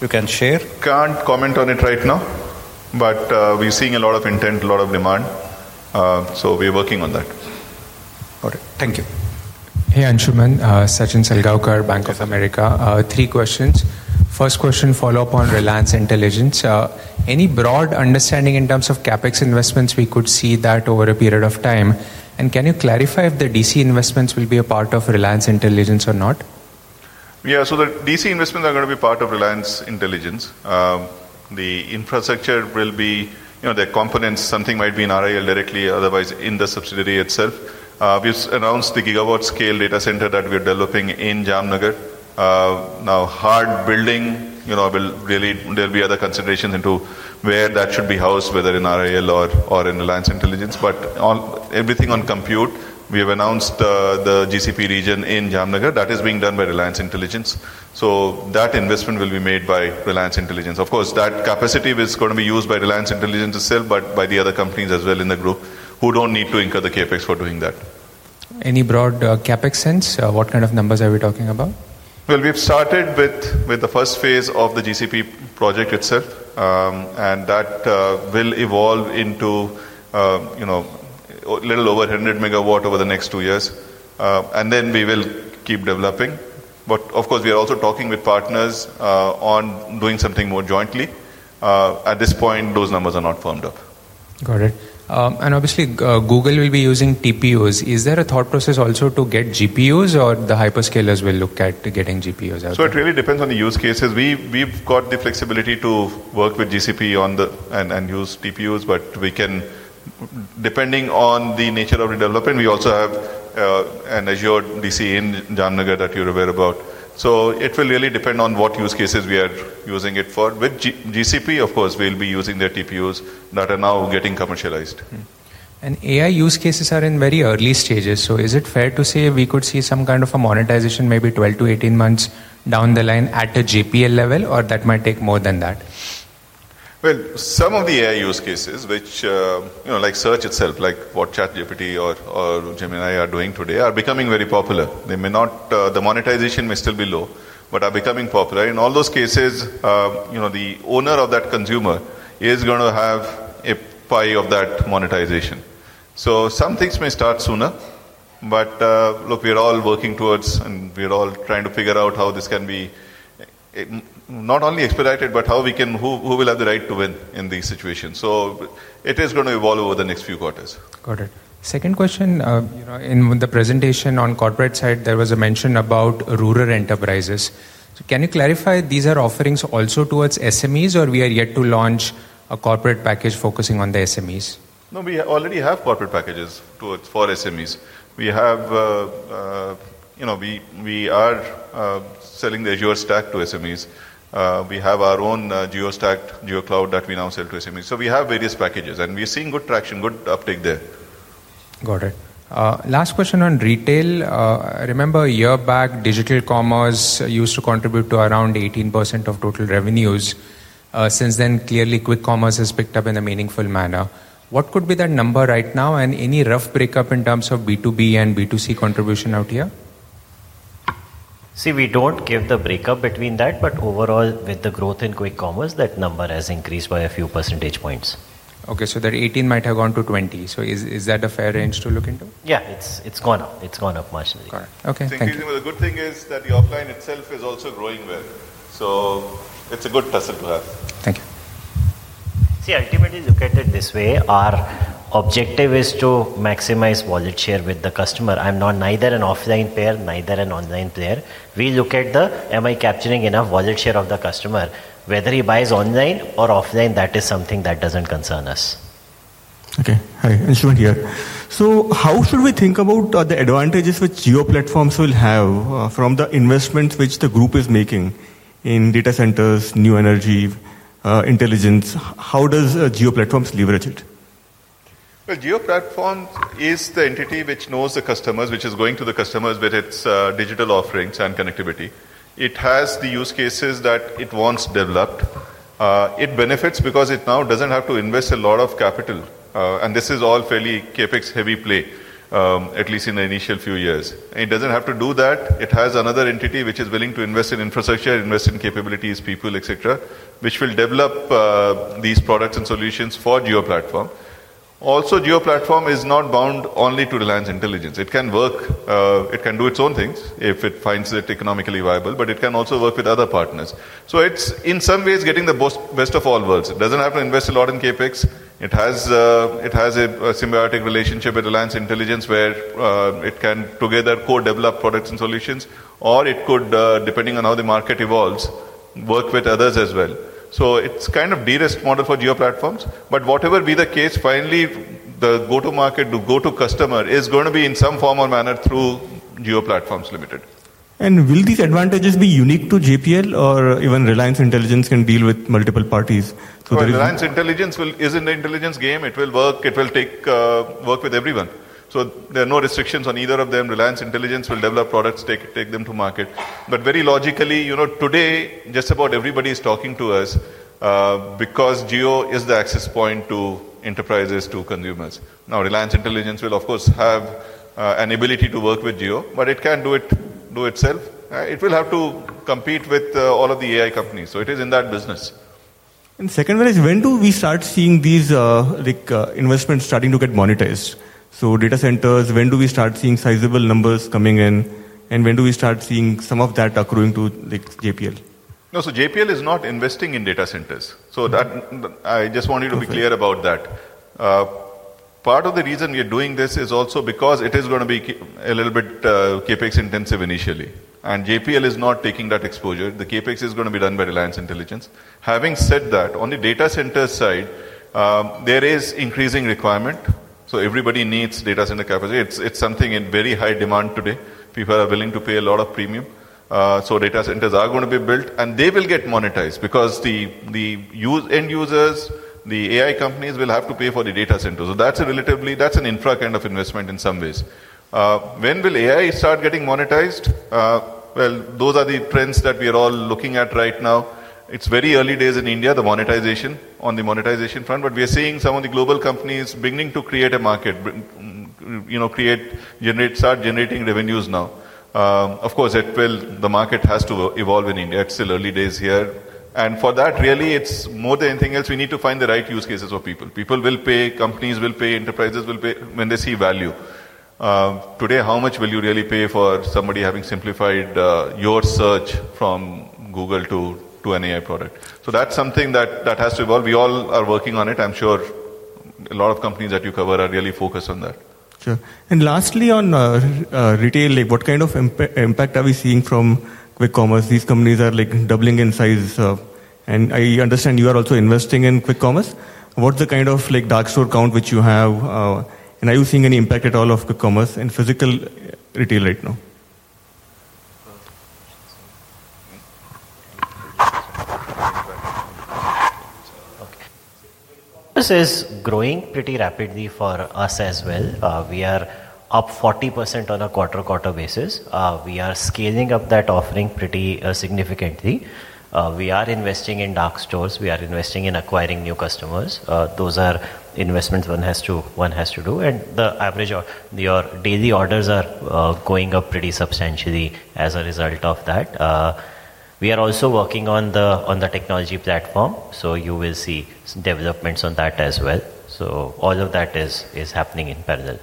you can share? Can't comment on it right now. We're seeing a lot of intent, a lot of demand, and we're working on that. Got it. Thank you. Hey, Anshuman, Sachin Salgaonkar, Bank of America. Three questions. First question, follow-up on Reliance Intelligence. Any broad understanding in terms of CapEx investments we could see that over a period of time? Can you clarify if the DC investments will be a part of Reliance Intelligence or not? Yeah, so the DC investments are going to be part of Reliance Intelligence. The infrastructure will be the components. Something might be in Reliance Industries Limited directly, otherwise in the subsidiary itself. We've announced the gigawatt-scale data center that we are developing in Jamnagar. Now, hard building, there will be other considerations into where that should be housed, whether in RIL or in Reliance Intelligence. Everything on compute, we have announced the Google Cloud Platform region in Jamnagar. That is being done by Reliance Intelligence. That investment will be made by Reliance Intelligence. Of course, that capacity is going to be used by Reliance Intelligence itself, but by the other companies as well in the group who don't need to incur the CapEx for doing that. Any broad CapEx sense? What kind of numbers are we talking about? We have started with the first phase of the GCP project itself. That will evolve into a little over 100 MW over the next two years, and we will keep developing. Of course, we are also talking with partners on doing something more jointly. At this point, those numbers are not firmed up. Got it. Obviously, Google will be using TPUs. Is there a thought process also to get GPUs, or the hyperscalers will look at getting GPUs out? It really depends on the use cases. We've got the flexibility to work with GCP and use TPUs. Depending on the nature of the development, we also have an Azure data center in Jamnagar that you're aware about. It will really depend on what use cases we are using it for. With GCP, of course, we'll be using their TPUs that are now getting commercialized. AI use cases are in very early stages. Is it fair to say we could see some kind of a monetization, maybe 12-18 months down the line at a JPL level, or that might take more than that? Some of the AI use cases, which like search itself, like what ChatGPT or Gemini are doing today, are becoming very popular. The monetization may still be low, but are becoming popular. In all those cases, the owner of that consumer is going to have a pie of that monetization. Some things may start sooner. We're all working towards, and we're all trying to figure out how this can be not only expedited, but who will have the right to win in these situations. It is going to evolve over the next few quarters. Got it. Second question, in the presentation on corporate side, there was a mention about rural enterprises. Can you clarify these are offerings also towards SMEs, or we are yet to launch a corporate package focusing on the SMEs? No, we already have corporate packages for SMEs. We are selling the Azure Stack to SMEs. We have our own Jio Stack, Jio Cloud that we now sell to SMEs. We have various packages, and we're seeing good traction, good uptake there. Got it. Last question on Retail. Remember a year back, digital commerce used to contribute to around 18% of total revenues. Since then, clearly, quick commerce has picked up in a meaningful manner. What could be that number right now, and any rough breakup in terms of B2B and B2C contribution out here? We don't give the breakup between that. Overall, with the growth in quick commerce, that number has increased by a few percentage points. OK, so that 18 percentage points might have gone to 20 percentage points. Is that a fair range to look into? Yeah, it's gone up. It's gone up marginally. Got it. OK, thank you. The good thing is that the offline itself is also growing well. It's a good tussle to have. Thank you. See, ultimately, look at it this way. Our objective is to maximize wallet share with the customer. I'm not neither an offline player nor an online player. We look at the, am I capturing enough wallet share of the customer? Whether he buys online or offline, that is something that doesn't concern us. OK. Hi. Anshuman here. How should we think about the advantages which Jio Platforms will have from the investments which the group is making in data centers, new energy, intelligence? How does Jio Platforms leverage it? Jio Platforms is the entity which knows the customers, which is going to the customers with its digital offerings and connectivity. It has the use cases that it wants developed. It benefits because it now doesn't have to invest a lot of capital, and this is all fairly CapEx heavy play, at least in the initial few years. It doesn't have to do that. It has another entity which is willing to invest in infrastructure, invest in capabilities, people, et cetera, which will develop these products and solutions for Jio Platforms. Also, Jio Platforms is not bound only to Reliance Intelligence. It can work, it can do its own things if it finds it economically viable, but it can also work with other partners. It's, in some ways, getting the best of all worlds. It doesn't have to invest a lot in CapEx. It has a symbiotic relationship with Reliance Intelligence, where it can together co-develop products and solutions, or it could, depending on how the market evolves, work with others as well. It's kind of a de-risked model for Jio Platforms. Whatever be the case, finally, the go-to market, the go-to customer is going to be in some form or manner through Jio Platforms Limited. Will these advantages be unique to Jio Platforms, or can Reliance Intelligence also deal with multiple parties? Reliance Intelligence is in the intelligence game. It will work. It will work with everyone. There are no restrictions on either of them. Reliance Intelligence will develop products, take them to market. Very logically, today, just about everybody is talking to us because Jio is the access point to enterprises, to consumers. Reliance Intelligence will, of course, have an ability to work with Jio. It can't do it itself. It will have to compete with all of the AI companies. It is in that business. The second one is, when do we start seeing these investments starting to get monetized? Data centers, when do we start seeing sizable numbers coming in? When do we start seeing some of that accruing to JPL? No, Jio Platforms is not investing in data centers. I just wanted to be clear about that. Part of the reason we are doing this is also because it is going to be a little bit CapEx intensive initially, and JPL is not taking that exposure. The CapEx is going to be done by Reliance Intelligence. Having said that, on the data center side, there is increasing requirement. Everybody needs data center capacity. It's something in very high demand today. People are willing to pay a lot of premium. Data centers are going to be built, and they will get monetized because the end users, the AI companies, will have to pay for the data centers. That's an infra kind of investment in some ways. When will AI start getting monetized? Those are the trends that we are all looking at right now. It's very early days in India on the monetization front. We are seeing some of the global companies beginning to create a market, start generating revenues now. Of course, the market has to evolve in India. It's still early days here. For that, really, it's more than anything else. We need to find the right use cases for people. People will pay, companies will pay, enterprises will pay when they see value. Today, how much will you really pay for somebody having simplified your search from Google to an AI product? That's something that has to evolve. We all are working on it. I'm sure a lot of companies that you cover are really focused on that. Sure. Lastly, on retail, what kind of impact are we seeing from quick commerce? These companies are doubling in size. I understand you are also investing in quick commerce. What's the kind of dark store count which you have? Are you seeing any impact at all of quick commerce in physical retail right now? OK. Quick commerce is growing pretty rapidly for us as well. We are up 40% on a quarter-quarter basis. We are scaling up that offering pretty significantly. We are investing in dark stores. We are investing in acquiring new customers. Those are investments one has to do. The average of your daily orders are going up pretty substantially as a result of that. We are also working on the technology platform. You will see developments on that as well. All of that is happening in parallel.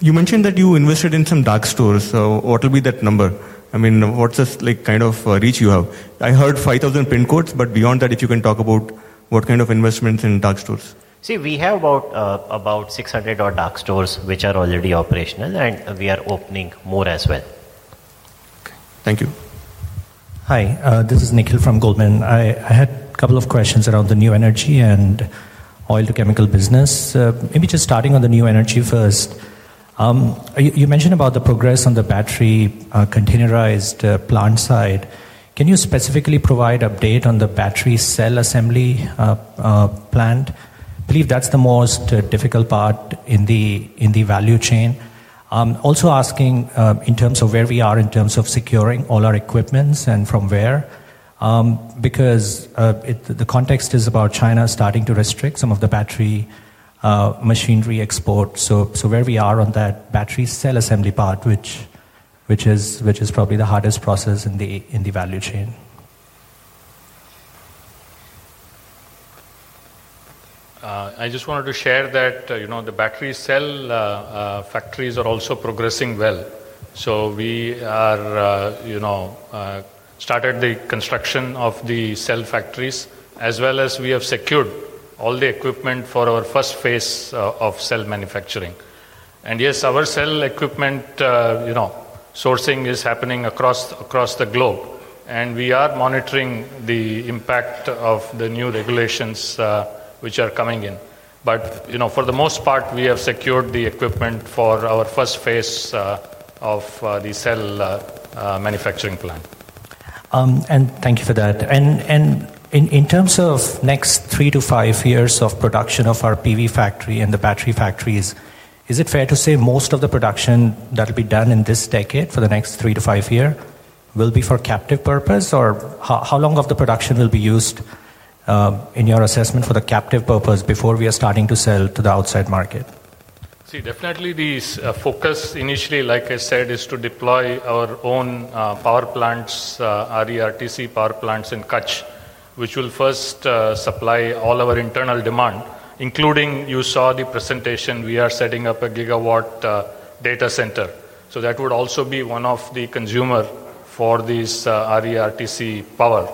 You mentioned that you invested in some dark stores. What will be that number? I mean, what's the kind of reach you have? I heard 5,000 PIN codes. Beyond that, if you can talk about what kind of investments in dark stores. We have about 600 dark stores which are already operational. We are opening more as well. OK. Thank you. Hi. This is Nikhil from Goldman. I had a couple of questions around the New Energy and Oil-to-Chemicals business. Maybe just starting on the New Energy first. You mentioned about the progress on the battery containerized plant side. Can you specifically provide an update on the battery cell assembly plant? I believe that's the most difficult part in the value chain. I'm also asking in terms of where we are in terms of securing all our equipment and from where, because the context is about China starting to restrict some of the battery machinery exports. Where are we on that battery cell assembly part, which is probably the hardest process in the value chain. I just wanted to share that the battery cell factories are also progressing well. We started the construction of the cell factories, as well as we have secured all the equipment for our first phase of cell manufacturing. Our cell equipment sourcing is happening across the globe, and we are monitoring the impact of the new regulations which are coming in. For the most part, we have secured the equipment for our first phase of the cell manufacturing plant. Thank you for that. In terms of the next three to five years of production of our PV factory and the battery factories, is it fair to say most of the production that will be done in this decade for the next three to five years will be for captive purpose? How long of the production will be used in your assessment for the captive purpose before we are starting to sell to the outside market? Definitely the focus initially, like I said, is to deploy our own power plants, RE/RTC power plants in Kutch, which will first supply all of our internal demand, including, you saw the presentation, we are setting up a gigawatt-scale data center. That would also be one of the consumers for this RE/RTC power.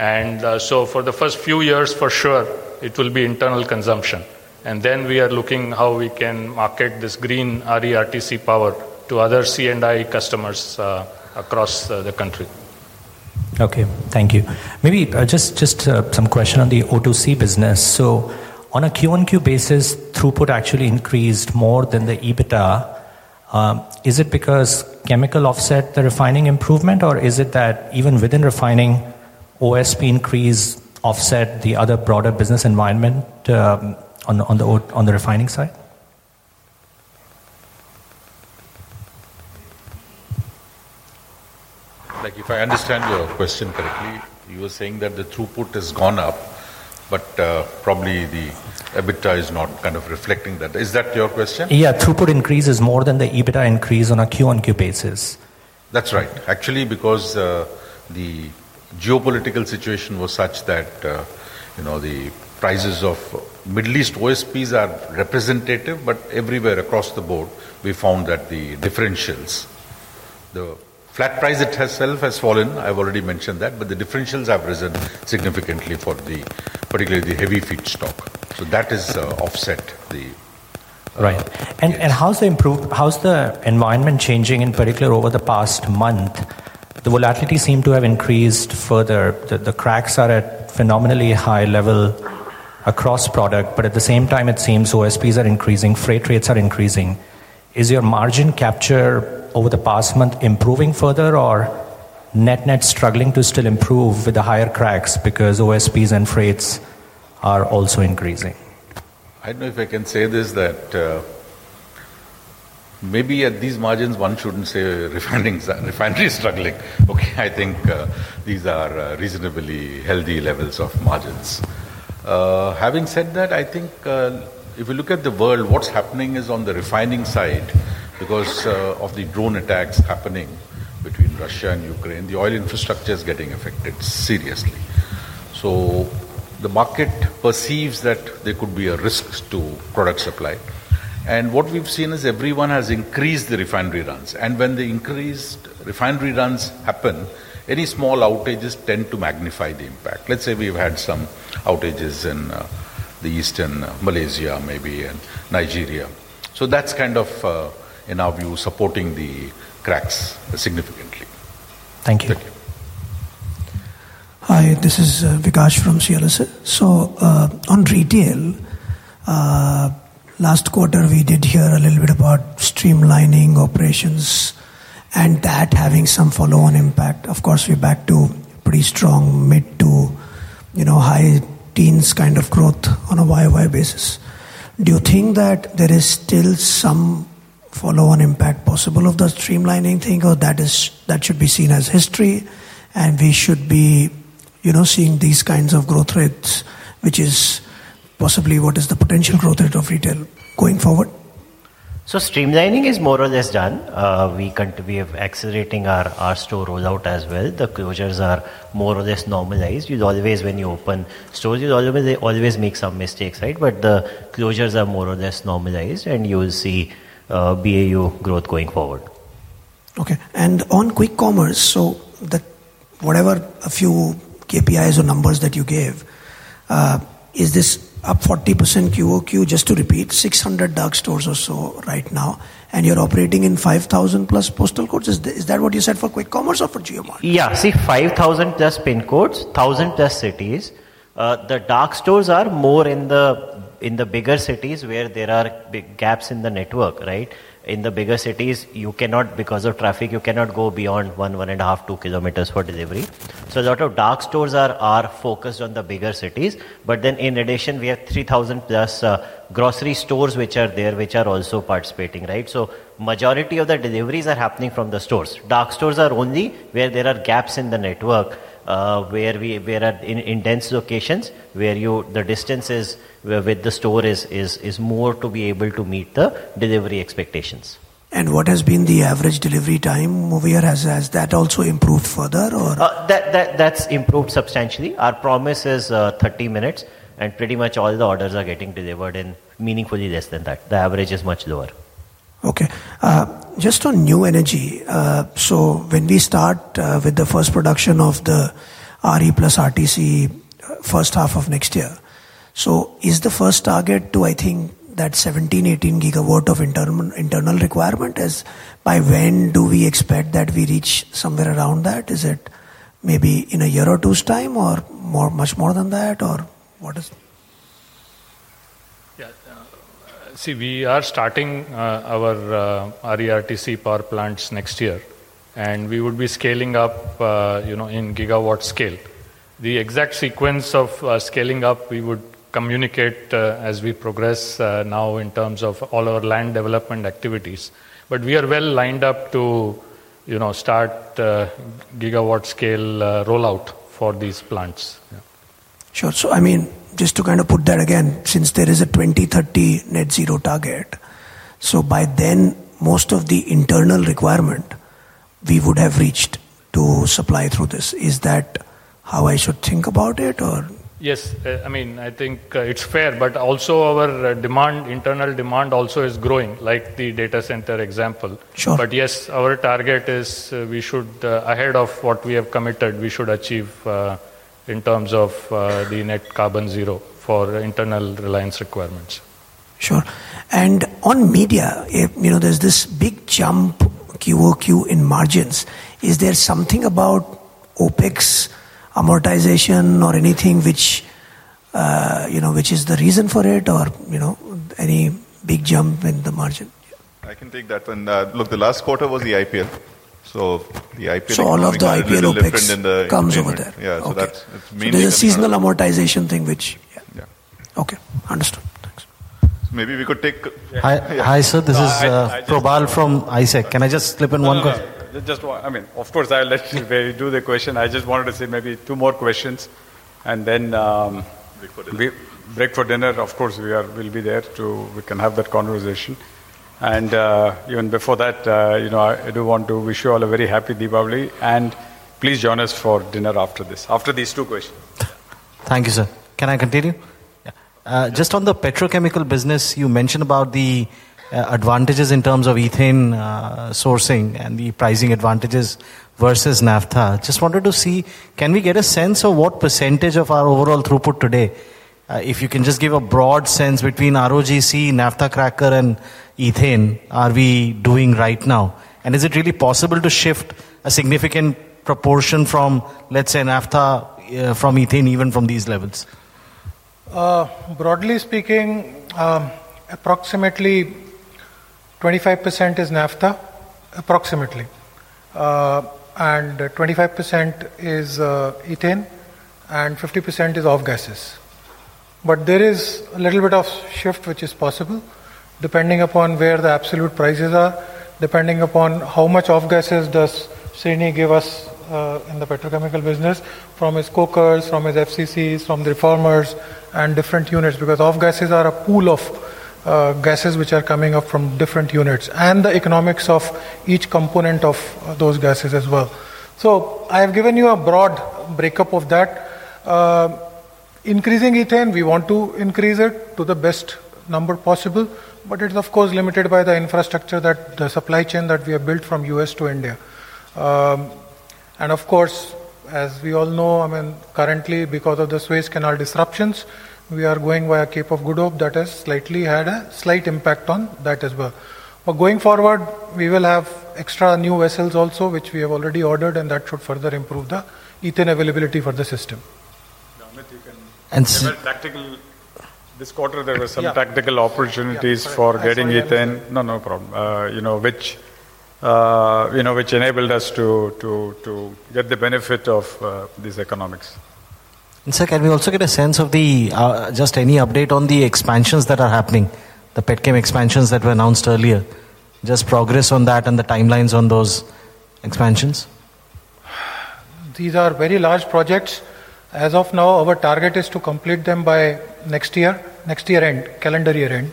For the first few years, for sure, it will be internal consumption. We are looking at how we can market this green RE/RTC power to other C&I customers across the country. OK. Thank you. Maybe just some question on the O2C business. On a Q1Q basis, throughput actually increased more than the EBITDA. Is it because chemical offset the refining improvement? Is it that even within refining, OSP increase offset the other broader business environment on the refining side? If I understand your question correctly, you were saying that the throughput has gone up, but probably the EBITDA is not kind of reflecting that. Is that your question? Yeah, throughput increases more than the EBITDA increase on a Q1Q basis. That's right. Actually, because the geopolitical situation was such that the prices of Middle East OSPs are representative, but everywhere across the board, we found that the differentials, the flat price itself has fallen. I've already mentioned that. The differentials have risen significantly for particularly the heavy feedstock, so that has offset the. Right. How's the environment changing in particular over the past month? The volatility seemed to have increased further. The fuel cracks are at a phenomenally high level across product. At the same time, it seems OSPs are increasing, freight rates are increasing. Is your margin capture over the past month improving further, or net net struggling to still improve with the higher fuel cracks because OSPs and freights are also increasing? I don't know if I can say this, that maybe at these margins, one shouldn't say refineries are struggling. I think these are reasonably healthy levels of margins. Having said that, if we look at the world, what's happening is on the refining side because of the drone attacks happening between Russia and Ukraine, the oil infrastructure is getting affected seriously. The market perceives that there could be a risk to product supply. What we've seen is everyone has increased the refinery runs. When the increased refinery runs happen, any small outages tend to magnify the impact. Let's say we've had some outages in eastern Malaysia, maybe, and Nigeria. That's kind of, in our view, supporting the cracks significantly. Thank you. Thank you. Hi, this is Vikas from CLSA. On retail, last quarter, we did hear a little bit about streamlining operations and that having some follow-on impact. Of course, we're back to pretty strong mid to high teens kind of growth on a YOY basis. Do you think that there is still some follow-on impact possible of the streamlining thing, or that should be seen as history and we should be seeing these kinds of growth rates, which is possibly what is the potential growth rate of retail going forward? Streamlining is more or less done. We are accelerating our store rollout as well. The closures are more or less normalized. You always, when you open stores, you always make some mistakes, right? The closures are more or less normalized, and you'll see BAU growth going forward. OK. On quick commerce, whatever a few KPIs or numbers that you gave, is this up 40% Q1Q, just to repeat, 600 dark stores or so right now, and you're operating in 5,000+ PIN codes? Is that what you said for quick commerce or for JioMart? Yeah, see, 5,000+ PIN codes, 1,000+ cities, the dark stores are more in the bigger cities where there are big gaps in the network, right? In the bigger cities, you cannot, because of traffic, you cannot go beyond one, one and a half, two kilometers for delivery. A lot of dark stores are focused on the bigger cities. In addition, we have 3,000+ grocery stores which are there, which are also participating, right? The majority of the deliveries are happening from the stores. Dark stores are only where there are gaps in the network, where in dense locations, where the distances with the store is more to be able to meet the delivery expectations. What has been the average delivery time over here? Has that also improved further, or? That's improved substantially. Our promise is 30 minutes, and pretty much all the orders are getting delivered in meaningfully less than that. The average is much lower. OK. Just on new energy, when we start with the first production of the RE/RTC first half of next year, is the first target to, I think, that 17 GW, 18 GW of internal requirement? By when do we expect that we reach somewhere around that? Is it maybe in a year or two's time, or much more than that, or what is it? Yeah, see, we are starting our RE/RTC power plants next year, and we would be scaling up in gigawatt scale. The exact sequence of scaling up, we would communicate as we progress, now in terms of all our land development activities. We are well lined up to start the gigawatt scale rollout for these plants. Sure. Just to kind of put that again, since there is a 2030 net zero target, by then, most of the internal requirement we would have reached to supply through this. Is that how I should think about it, or? Yes, I mean, I think it's fair. Also, our demand, internal demand also is growing, like the data center example. Sure. Yes, our target is we should, ahead of what we have committed, we should achieve in terms of the net carbon zero for internal Reliance requirements. Sure. On media, there's this big jump Q1Q in margins. Is there something about OpEx amortization or anything which is the reason for it, or any big jump in the margin? I can take that one. Look, the last quarter was the IPL. All of the IPL OpEx comes over there. Yeah, OK. There's a seasonal amortization thing, which, yeah. Yeah. OK. Understood. Thanks. Maybe we could take. Hi, sir. This is Prabhal from ISEC. Can I just slip in one question? Just one. Of course, I'll let you do the question. I just wanted to say maybe two more questions, and then break for dinner. Of course, we'll be there too. We can have that conversation. Even before that, I do want to wish you all a very happy Diwali. Please join us for dinner after this, after these two questions. Thank you, sir. Can I continue? Yeah. Just on the petrochemical business, you mentioned about the advantages in terms of ethane sourcing and the pricing advantages versus naphtha. I just wanted to see, can we get a sense of what % of our overall throughput today, if you can just give a broad sense between ROGC, naphtha cracker, and ethane, are we doing right now? Is it really possible to shift a significant proportion from, let's say, naphtha from ethane, even from these levels? Broadly speaking, approximately 25% is naphtha, approximately, and 25% is ethane, and 50% is off-gases. There is a little bit of shift which is possible, depending upon where the absolute prices are, depending upon how much off-gases Srini gives us in the petrochemical business from his cokers, from his FCCs, from the reformers, and different units, because off-gases are a pool of gases which are coming up from different units and the economics of each component of those gases as well. I have given you a broad breakup of that. Increasing ethane, we want to increase it to the best number possible. It is, of course, limited by the infrastructure, the supply chain that we have built from the U.S. to India. As we all know, currently, because of the Suez Canal disruptions, we are going via Cape of Good Hope. That has had a slight impact on that as well. Going forward, we will have extra new vessels also, which we have already ordered. That should further improve the ethane availability for the system. And sir. This quarter, there were some tactical opportunities for getting ethane, which enabled us to get the benefit of these economics. Can we also get a sense of just any update on the expansions that are happening, the PetChem expansions that were announced earlier, just progress on that and the timelines on those expansions? These are very large projects. As of now, our target is to complete them by next year, next year end, calendar year end.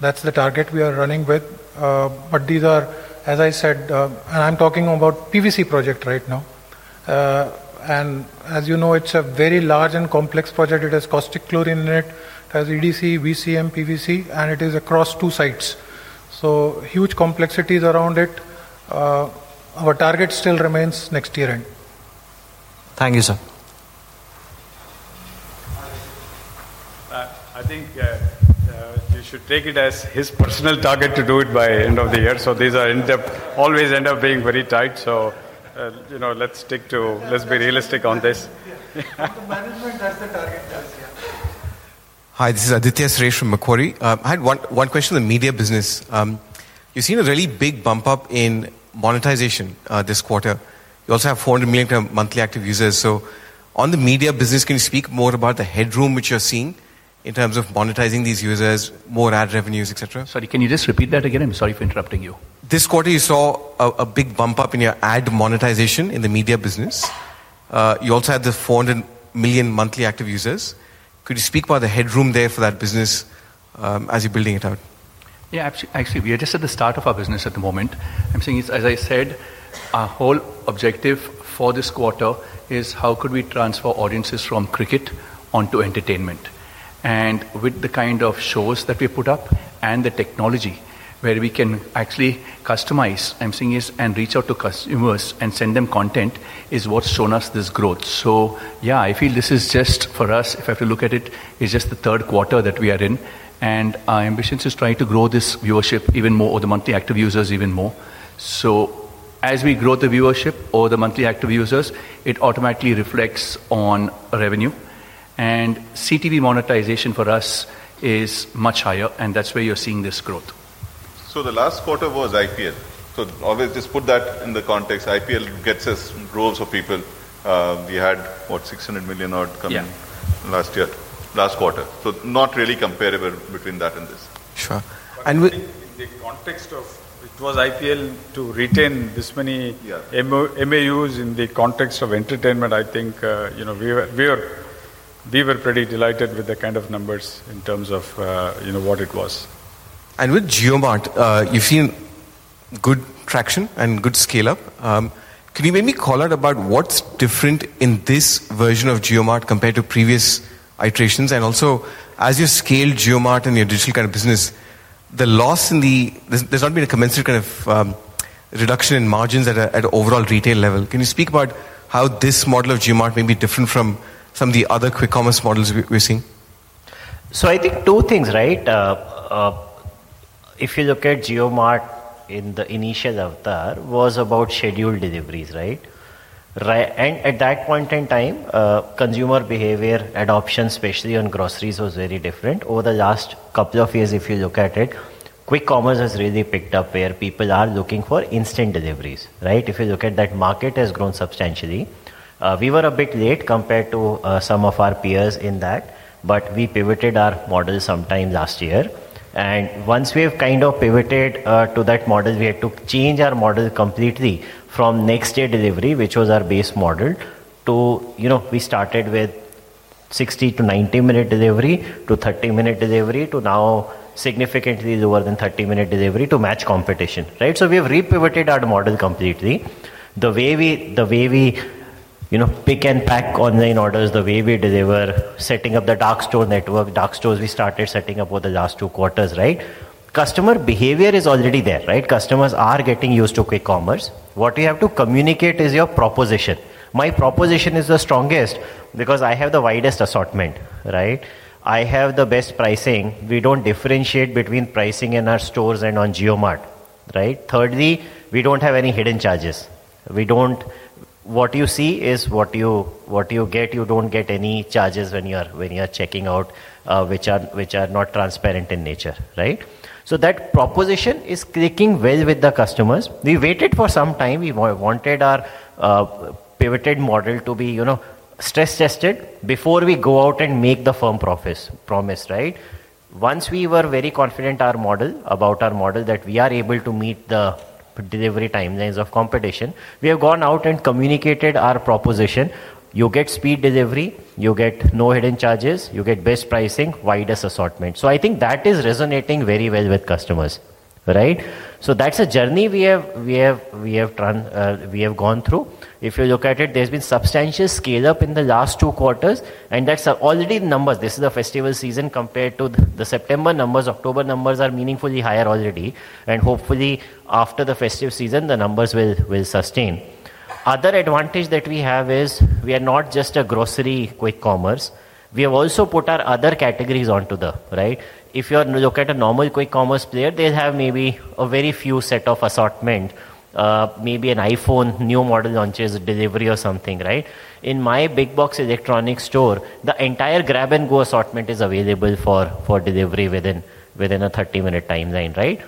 That's the target we are running with. I'm talking about the PVC project right now. As you know, it's a very large and complex project. It has caustic chlorine in it. It has EDC, VCM, PVC, and it is across two sites. Huge complexities around it. Our target still remains next year end. Thank you, sir. I think you should take it as his personal target to do it by the end of the year. These always end up being very tight. Let's be realistic on this. Hi, this is Aditya Suresh from Macquarie. I had one question on the media business. You've seen a really big bump up in monetization this quarter. You also have 400 million monthly active users. On the media business, can you speak more about the headroom which you're seeing in terms of monetizing these users, more ad revenues, et cetera? Sorry, can you just repeat that again? I'm sorry for interrupting you. This quarter, you saw a big bump up in your ad monetization in the media business. You also had the 400 million monthly active users. Could you speak about the headroom there for that business as you're building it out? Yeah, actually, we are just at the start of our business at the moment. As I said, our whole objective for this quarter is how could we transfer audiences from cricket onto entertainment. With the kind of shows that we put up and the technology where we can actually customize and reach out to customers and send them content, it's what's shown us this growth. I feel this is just for us, if I have to look at it, it's just the third quarter that we are in. Our ambition is to try to grow this viewership even more, or the monthly active users even more. As we grow the viewership or the monthly active users, it automatically reflects on revenue. CTV monetization for us is much higher. That's where you're seeing this growth. The last quarter was IPL. Always just put that in the context. IPL gets us rows of people. We had, what, 600 million odd coming last year, last quarter. Not really comparable between that and this. Sure. And. In the context of it was IPL to retain this many MAUs in the context of entertainment, I think we were pretty delighted with the kind of numbers in terms of what it was. With JioMart, you've seen good traction and good scale-up. Can you maybe call out about what's different in this version of JioMart compared to previous iterations? Also, as you scale JioMart and your digital kind of business, the loss in the, there's not been a commensurate kind of reduction in margins at an overall retail level. Can you speak about how this model of JioMart may be different from some of the other quick commerce models we're seeing? I think two things, right? If you look at JioMart in the initial avatar, it was about scheduled deliveries, right? At that point in time, consumer behavior adoption, especially on groceries, was very different. Over the last couple of years, if you look at it, quick commerce has really picked up where people are looking for instant deliveries, right? If you look at that, market has grown substantially. We were a bit late compared to some of our peers in that. We pivoted our model sometime last year. Once we have kind of pivoted to that model, we had to change our model completely from next-day delivery, which was our base model, to we started with 60 to 90-minute delivery to 30-minute delivery to now significantly lower than 30-minute delivery to match competition, right? We have repivoted our model completely. The way we pick and pack online orders, the way we deliver, setting up the dark store network, dark stores we started setting up over the last two quarters, right? Customer behavior is already there, right? Customers are getting used to quick commerce. What you have to communicate is your proposition. My proposition is the strongest because I have the widest assortment, right? I have the best pricing. We don't differentiate between pricing in our stores and on JioMart, right? Thirdly, we don't have any hidden charges. What you see is what you get. You don't get any charges when you are checking out, which are not transparent in nature, right? That proposition is clicking well with the customers. We waited for some time. We wanted our pivoted model to be stress-tested before we go out and make the firm promise, right? Once we were very confident about our model that we are able to meet the delivery timelines of competition, we have gone out and communicated our proposition. You get speed delivery. You get no hidden charges. You get best pricing, widest assortment. I think that is resonating very well with customers, right? That's a journey we have gone through. If you look at it, there's been substantial scale-up in the last two quarters. That's already the numbers. This is a festival season compared to the September numbers. October numbers are meaningfully higher already. Hopefully, after the festive season, the numbers will sustain. Other advantage that we have is we are not just a grocery quick commerce. We have also put our other categories onto them, right? If you look at a normal quick commerce player, they'll have maybe a very few sets of assortment, maybe an iPhone, new model launches, delivery, or something, right? In my big box electronics store, the entire grab-and-go assortment is available for delivery within a 30-minute timeline, right?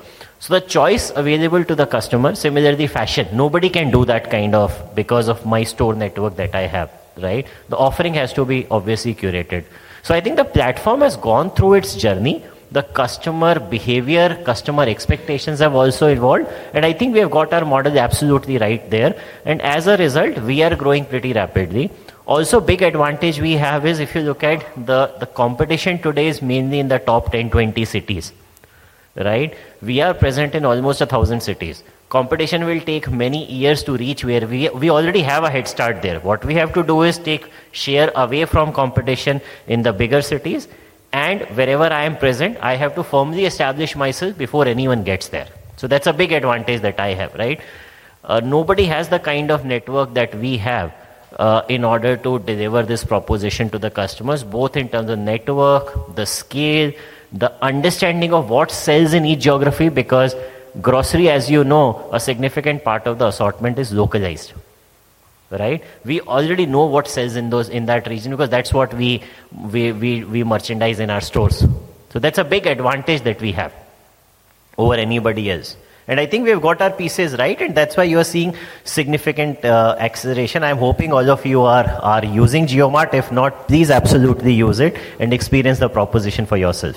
The choice available to the customer, similarly fashion, nobody can do that kind of because of my store network that I have, right? The offering has to be obviously curated. I think the platform has gone through its journey. The customer behavior, customer expectations have also evolved. I think we have got our model absolutely right there. As a result, we are growing pretty rapidly. Also, a big advantage we have is if you look at the competition today, it's mainly in the top 10, 20 cities, right? We are present in almost 1,000 cities. Competition will take many years to reach where we already have a head start there. What we have to do is take share away from competition in the bigger cities. Wherever I am present, I have to firmly establish myself before anyone gets there. That's a big advantage that I have, right? Nobody has the kind of network that we have in order to deliver this proposition to the customers, both in terms of network, the scale, the understanding of what sells in each geography, because grocery, as you know, a significant part of the assortment is localized, right? We already know what sells in that region because that's what we merchandise in our stores. That's a big advantage that we have over anybody else. I think we have got our pieces right. That's why you're seeing significant acceleration. I'm hoping all of you are using JioMart. If not, please absolutely use it and experience the proposition for yourself.